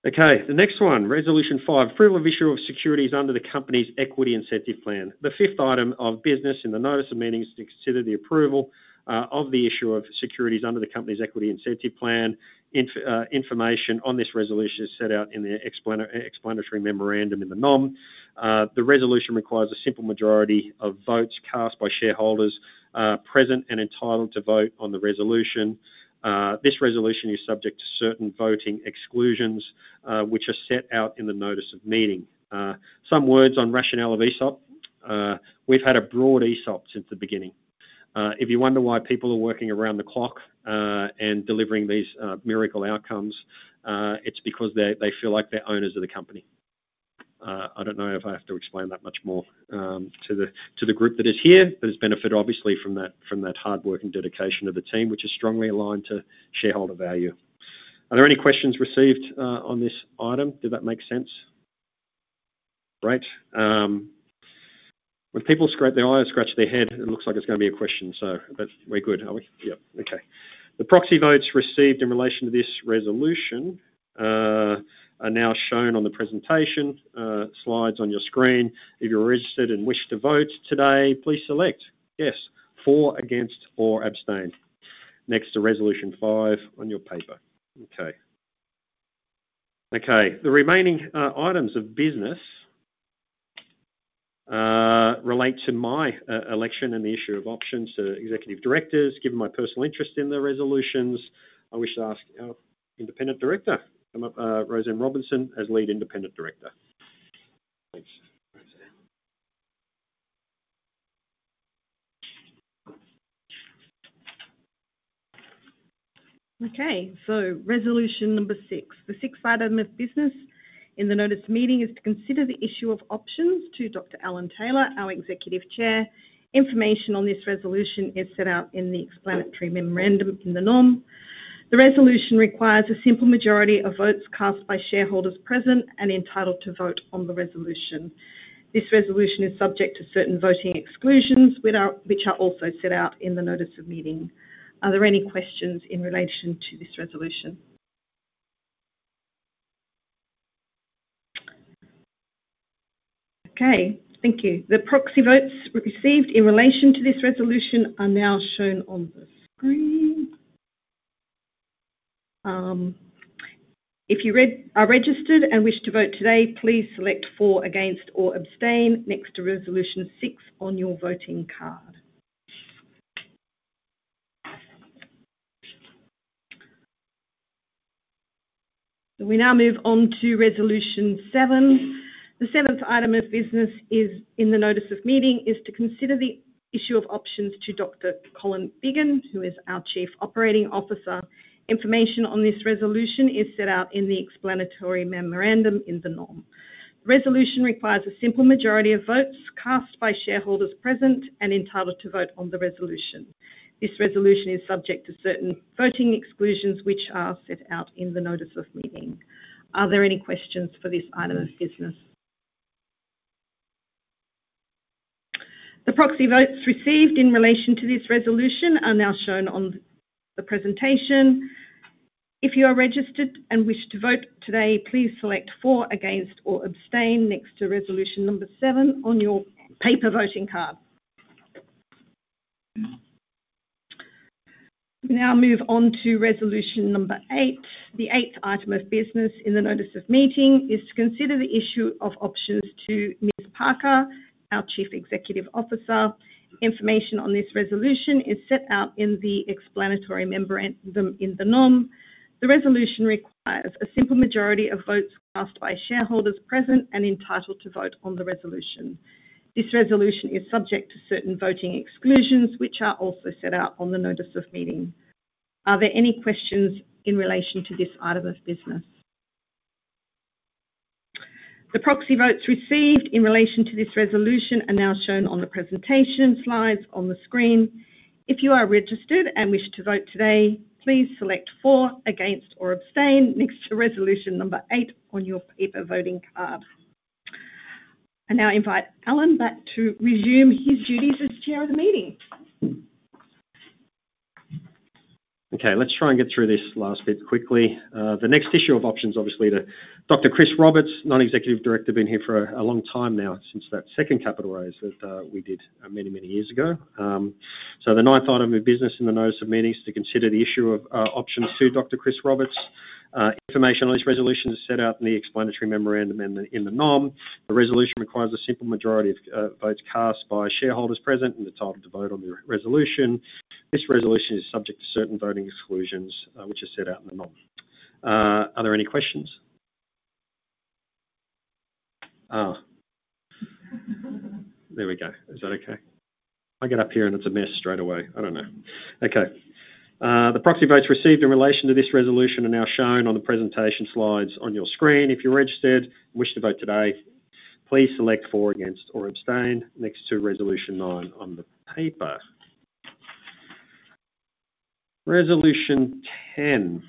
Okay. The next one, resolution five, approval of issue of securities under the company's equity incentive plan. The fifth item of business in the notice of meeting is to consider the approval of the issue of securities under the company's equity incentive plan. Information on this resolution is set out in the explanatory memorandum in the NOM. The resolution requires a simple majority of votes cast by shareholders present and entitled to vote on the resolution. This resolution is subject to certain voting exclusions, which are set out in the notice of meeting. Some words on rationale of ESOP. We've had a broad ESOP since the beginning. If you wonder why people are working around the clock and delivering these miracle outcomes, it's because they feel like they're owners of the company. I don't know if I have to explain that much more to the group that is here, but it's benefited, obviously, from that hard work and dedication of the team, which is strongly aligned to shareholder value. Are there any questions received on this item? Did that make sense? Great. When people rub their eyes, scratch their head, it looks like it's going to be a question, so we're good, are we? Yep. Okay. The proxy votes received in relation to this resolution are now shown on the presentation slides on your screen. If you're registered and wish to vote today, please select yes, for, against, or abstain next to resolution five on your paper. Okay. Okay. The remaining items of business relate to my election and the issue of options to executive directors. Given my personal interest in the resolutions, I wish to ask our independent director, Rosanne Robinson, as Lead Independent Director. Thanks, Rosanne. Okay. So resolution number six. The sixth item of business in the notice of meeting is to consider the issue of options to Dr. Alan Taylor, our Executive Chair. Information on this resolution is set out in the explanatory memorandum in the NOM. The resolution requires a simple majority of votes cast by shareholders present and entitled to vote on the resolution. This resolution is subject to certain voting exclusions, which are also set out in the notice of meeting. Are there any questions in relation to this resolution? Okay. Thank you. The proxy votes received in relation to this resolution are now shown on the screen. If you are registered and wish to vote today, please select for, against, or abstain next to resolution six on your voting card. So we now move on to resolution seven. The seventh item of business in the notice of meeting is to consider the issue of options to Dr. Colin Biggin, who is our Chief Operating Officer. Information on this resolution is set out in the explanatory memorandum in the NOM. The resolution requires a simple majority of votes cast by shareholders present and entitled to vote on the resolution. This resolution is subject to certain voting exclusions, which are set out in the notice of meeting. Are there any questions for this item of business? The proxy votes received in relation to this resolution are now shown on the presentation. If you are registered and wish to vote today, please select for, against, or abstain next to resolution number seven on your paper voting card. We now move on to resolution number eight. The eighth item of business in the notice of meeting is to consider the issue of options to Ms. Parker, our Chief Executive Officer. Information on this resolution is set out in the explanatory memorandum in the NOM. The resolution requires a simple majority of votes cast by shareholders present and entitled to vote on the resolution. This resolution is subject to certain voting exclusions, which are also set out on the notice of meeting. Are there any questions in relation to this item of business? The proxy votes received in relation to this resolution are now shown on the presentation slides on the screen. If you are registered and wish to vote today, please select for, against, or abstain next to resolution number eight on your paper voting card. I now invite Alan back to resume his duties as chair of the meeting. Okay. Let's try and get through this last bit quickly. The next issue of options, obviously, to Dr. Chris Roberts, Non-Executive Director, been here for a long time now since that second capital raise that we did many, many years ago. So the ninth item of business in the notice of meeting is to consider the issue of options to Dr. Chris Roberts. Information on this resolution is set out in the explanatory memorandum in the NOM. The resolution requires a simple majority of votes cast by shareholders present and entitled to vote on the resolution. This resolution is subject to certain voting exclusions, which are set out in the NOM. Are there any questions? There we go. Is that okay? I get up here and it's a mess straight away. I don't know. Okay. The proxy votes received in relation to this resolution are now shown on the presentation slides on your screen. If you're registered and wish to vote today, please select for, against, or abstain next to resolution nine on the paper. Resolution 10,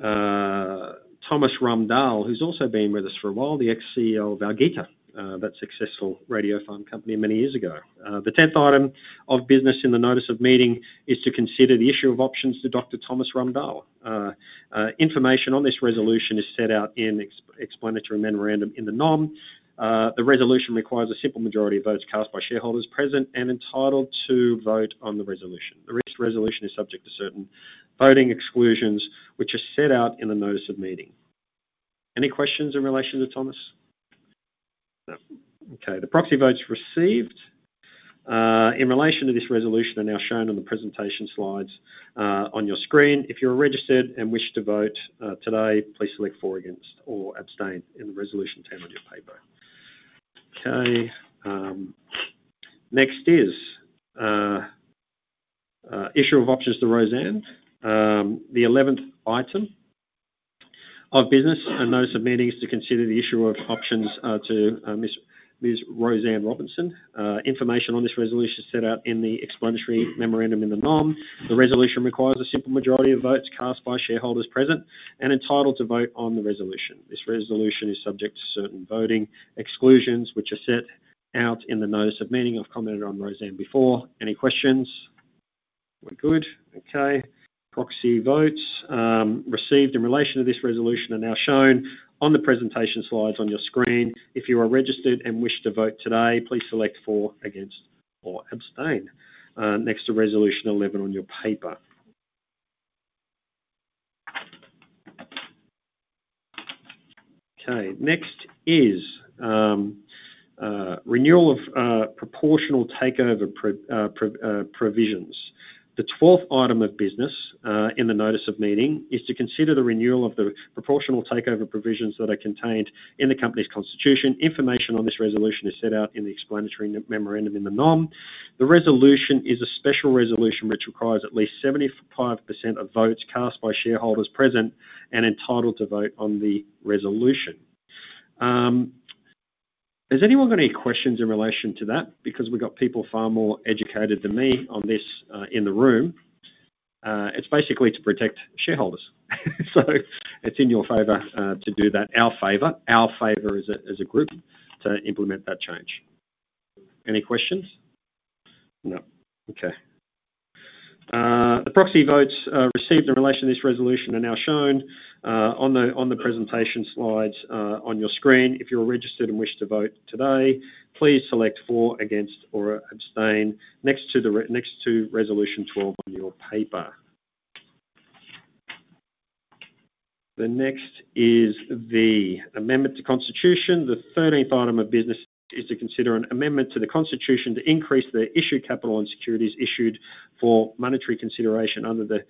Dr. Thomas Ramdahl, who's also been with us for a while, the ex-CEO of Algeta, that successful radiopharmaceutical company many years ago. The tenth item of business in the notice of meeting is to consider the issue of options to Dr. Thomas Ramdahl. Information on this resolution is set out in the explanatory memorandum in the NOM. The resolution requires a simple majority of votes cast by shareholders present and entitled to vote on the resolution. The resolution is subject to certain voting exclusions, which are set out in the notice of meeting. Any questions in relation to Thomas? No. Okay. The proxy votes received in relation to this resolution are now shown on the presentation slides on your screen. If you're registered and wish to vote today, please select for, against, or abstain in the resolution 10 on your paper. Okay. Next is issue of options to Rosanne. The eleventh item of business in the notice of meeting is to consider the issue of options to Ms. Rosanne Robinson. Information on this resolution is set out in the explanatory memorandum in the NOM. The resolution requires a simple majority of votes cast by shareholders present and entitled to vote on the resolution. This resolution is subject to certain voting exclusions, which are set out in the notice of meeting I've commented on Rosanne before. Any questions? We're good. Okay. Proxy votes received in relation to this resolution are now shown on the presentation slides on your screen. If you are registered and wish to vote today, please select for, against, or abstain next to resolution 11 on your paper. Okay. Next is renewal of proportional takeover provisions. The twelfth item of business in the notice of meeting is to consider the renewal of the proportional takeover provisions that are contained in the company's constitution. Information on this resolution is set out in the explanatory memorandum in the NOM. The resolution is a special resolution which requires at least 75% of votes cast by shareholders present and entitled to vote on the resolution. Has anyone got any questions in relation to that? Because we've got people far more educated than me on this in the room. It's basically to protect shareholders. So it's in your favor to do that, our favor, our favor as a group to implement that change. Any questions? No. Okay. The proxy votes received in relation to this resolution are now shown on the presentation slides on your screen. If you're registered and wish to vote today, please select for, against, or abstain next to resolution 12 on your paper. The next is the amendment to constitution. The thirteenth item of business is to consider an amendment to the constitution to increase the issue capital and securities issued for monetary consideration under the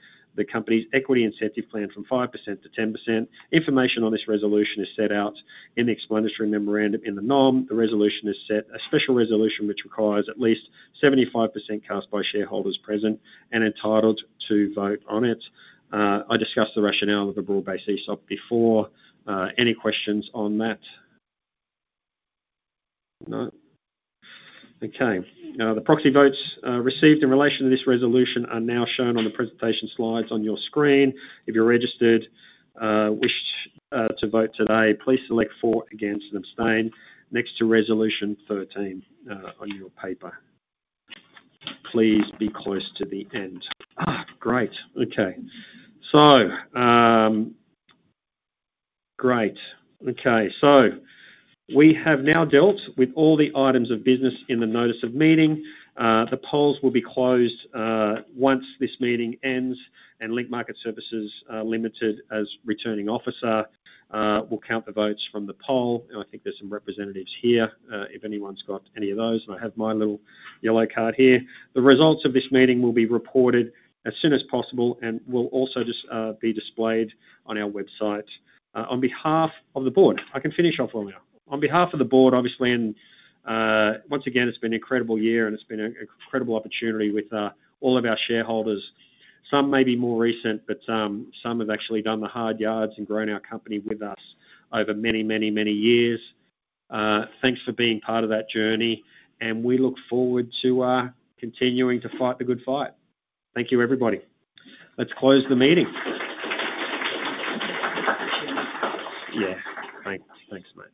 company's equity incentive plan from 5% to 10%. Information on this resolution is set out in the explanatory memorandum in the NOM. The resolution is a special resolution which requires at least 75% of votes cast by shareholders present and entitled to vote on it. I discussed the rationale of a broad-based ESOP before. Any questions on that? No. Okay. The proxy votes received in relation to this resolution are now shown on the presentation slides on your screen. If you're registered and wish to vote today, please select for, against, and abstain next to resolution 13 on your paper. Please be close to the end. Great. Okay. So great. Okay. So we have now dealt with all the items of business in the notice of meeting. The polls will be closed once this meeting ends, and Link Market Services Limited, as returning officer, will count the votes from the poll. And I think there's some representatives here if anyone's got any of those. And I have my little yellow card here. The results of this meeting will be reported as soon as possible and will also just be displayed on our website. On behalf of the board I can finish off on that. On behalf of the board, obviously, and once again, it's been an incredible year, and it's been an incredible opportunity with all of our shareholders. Some may be more recent, but some have actually done the hard yards and grown our company with us over many, many, many years. Thanks for being part of that journey, and we look forward to continuing to fight the good fight. Thank you, everybody. Let's close the meeting. Yeah. Thanks. Thanks so much.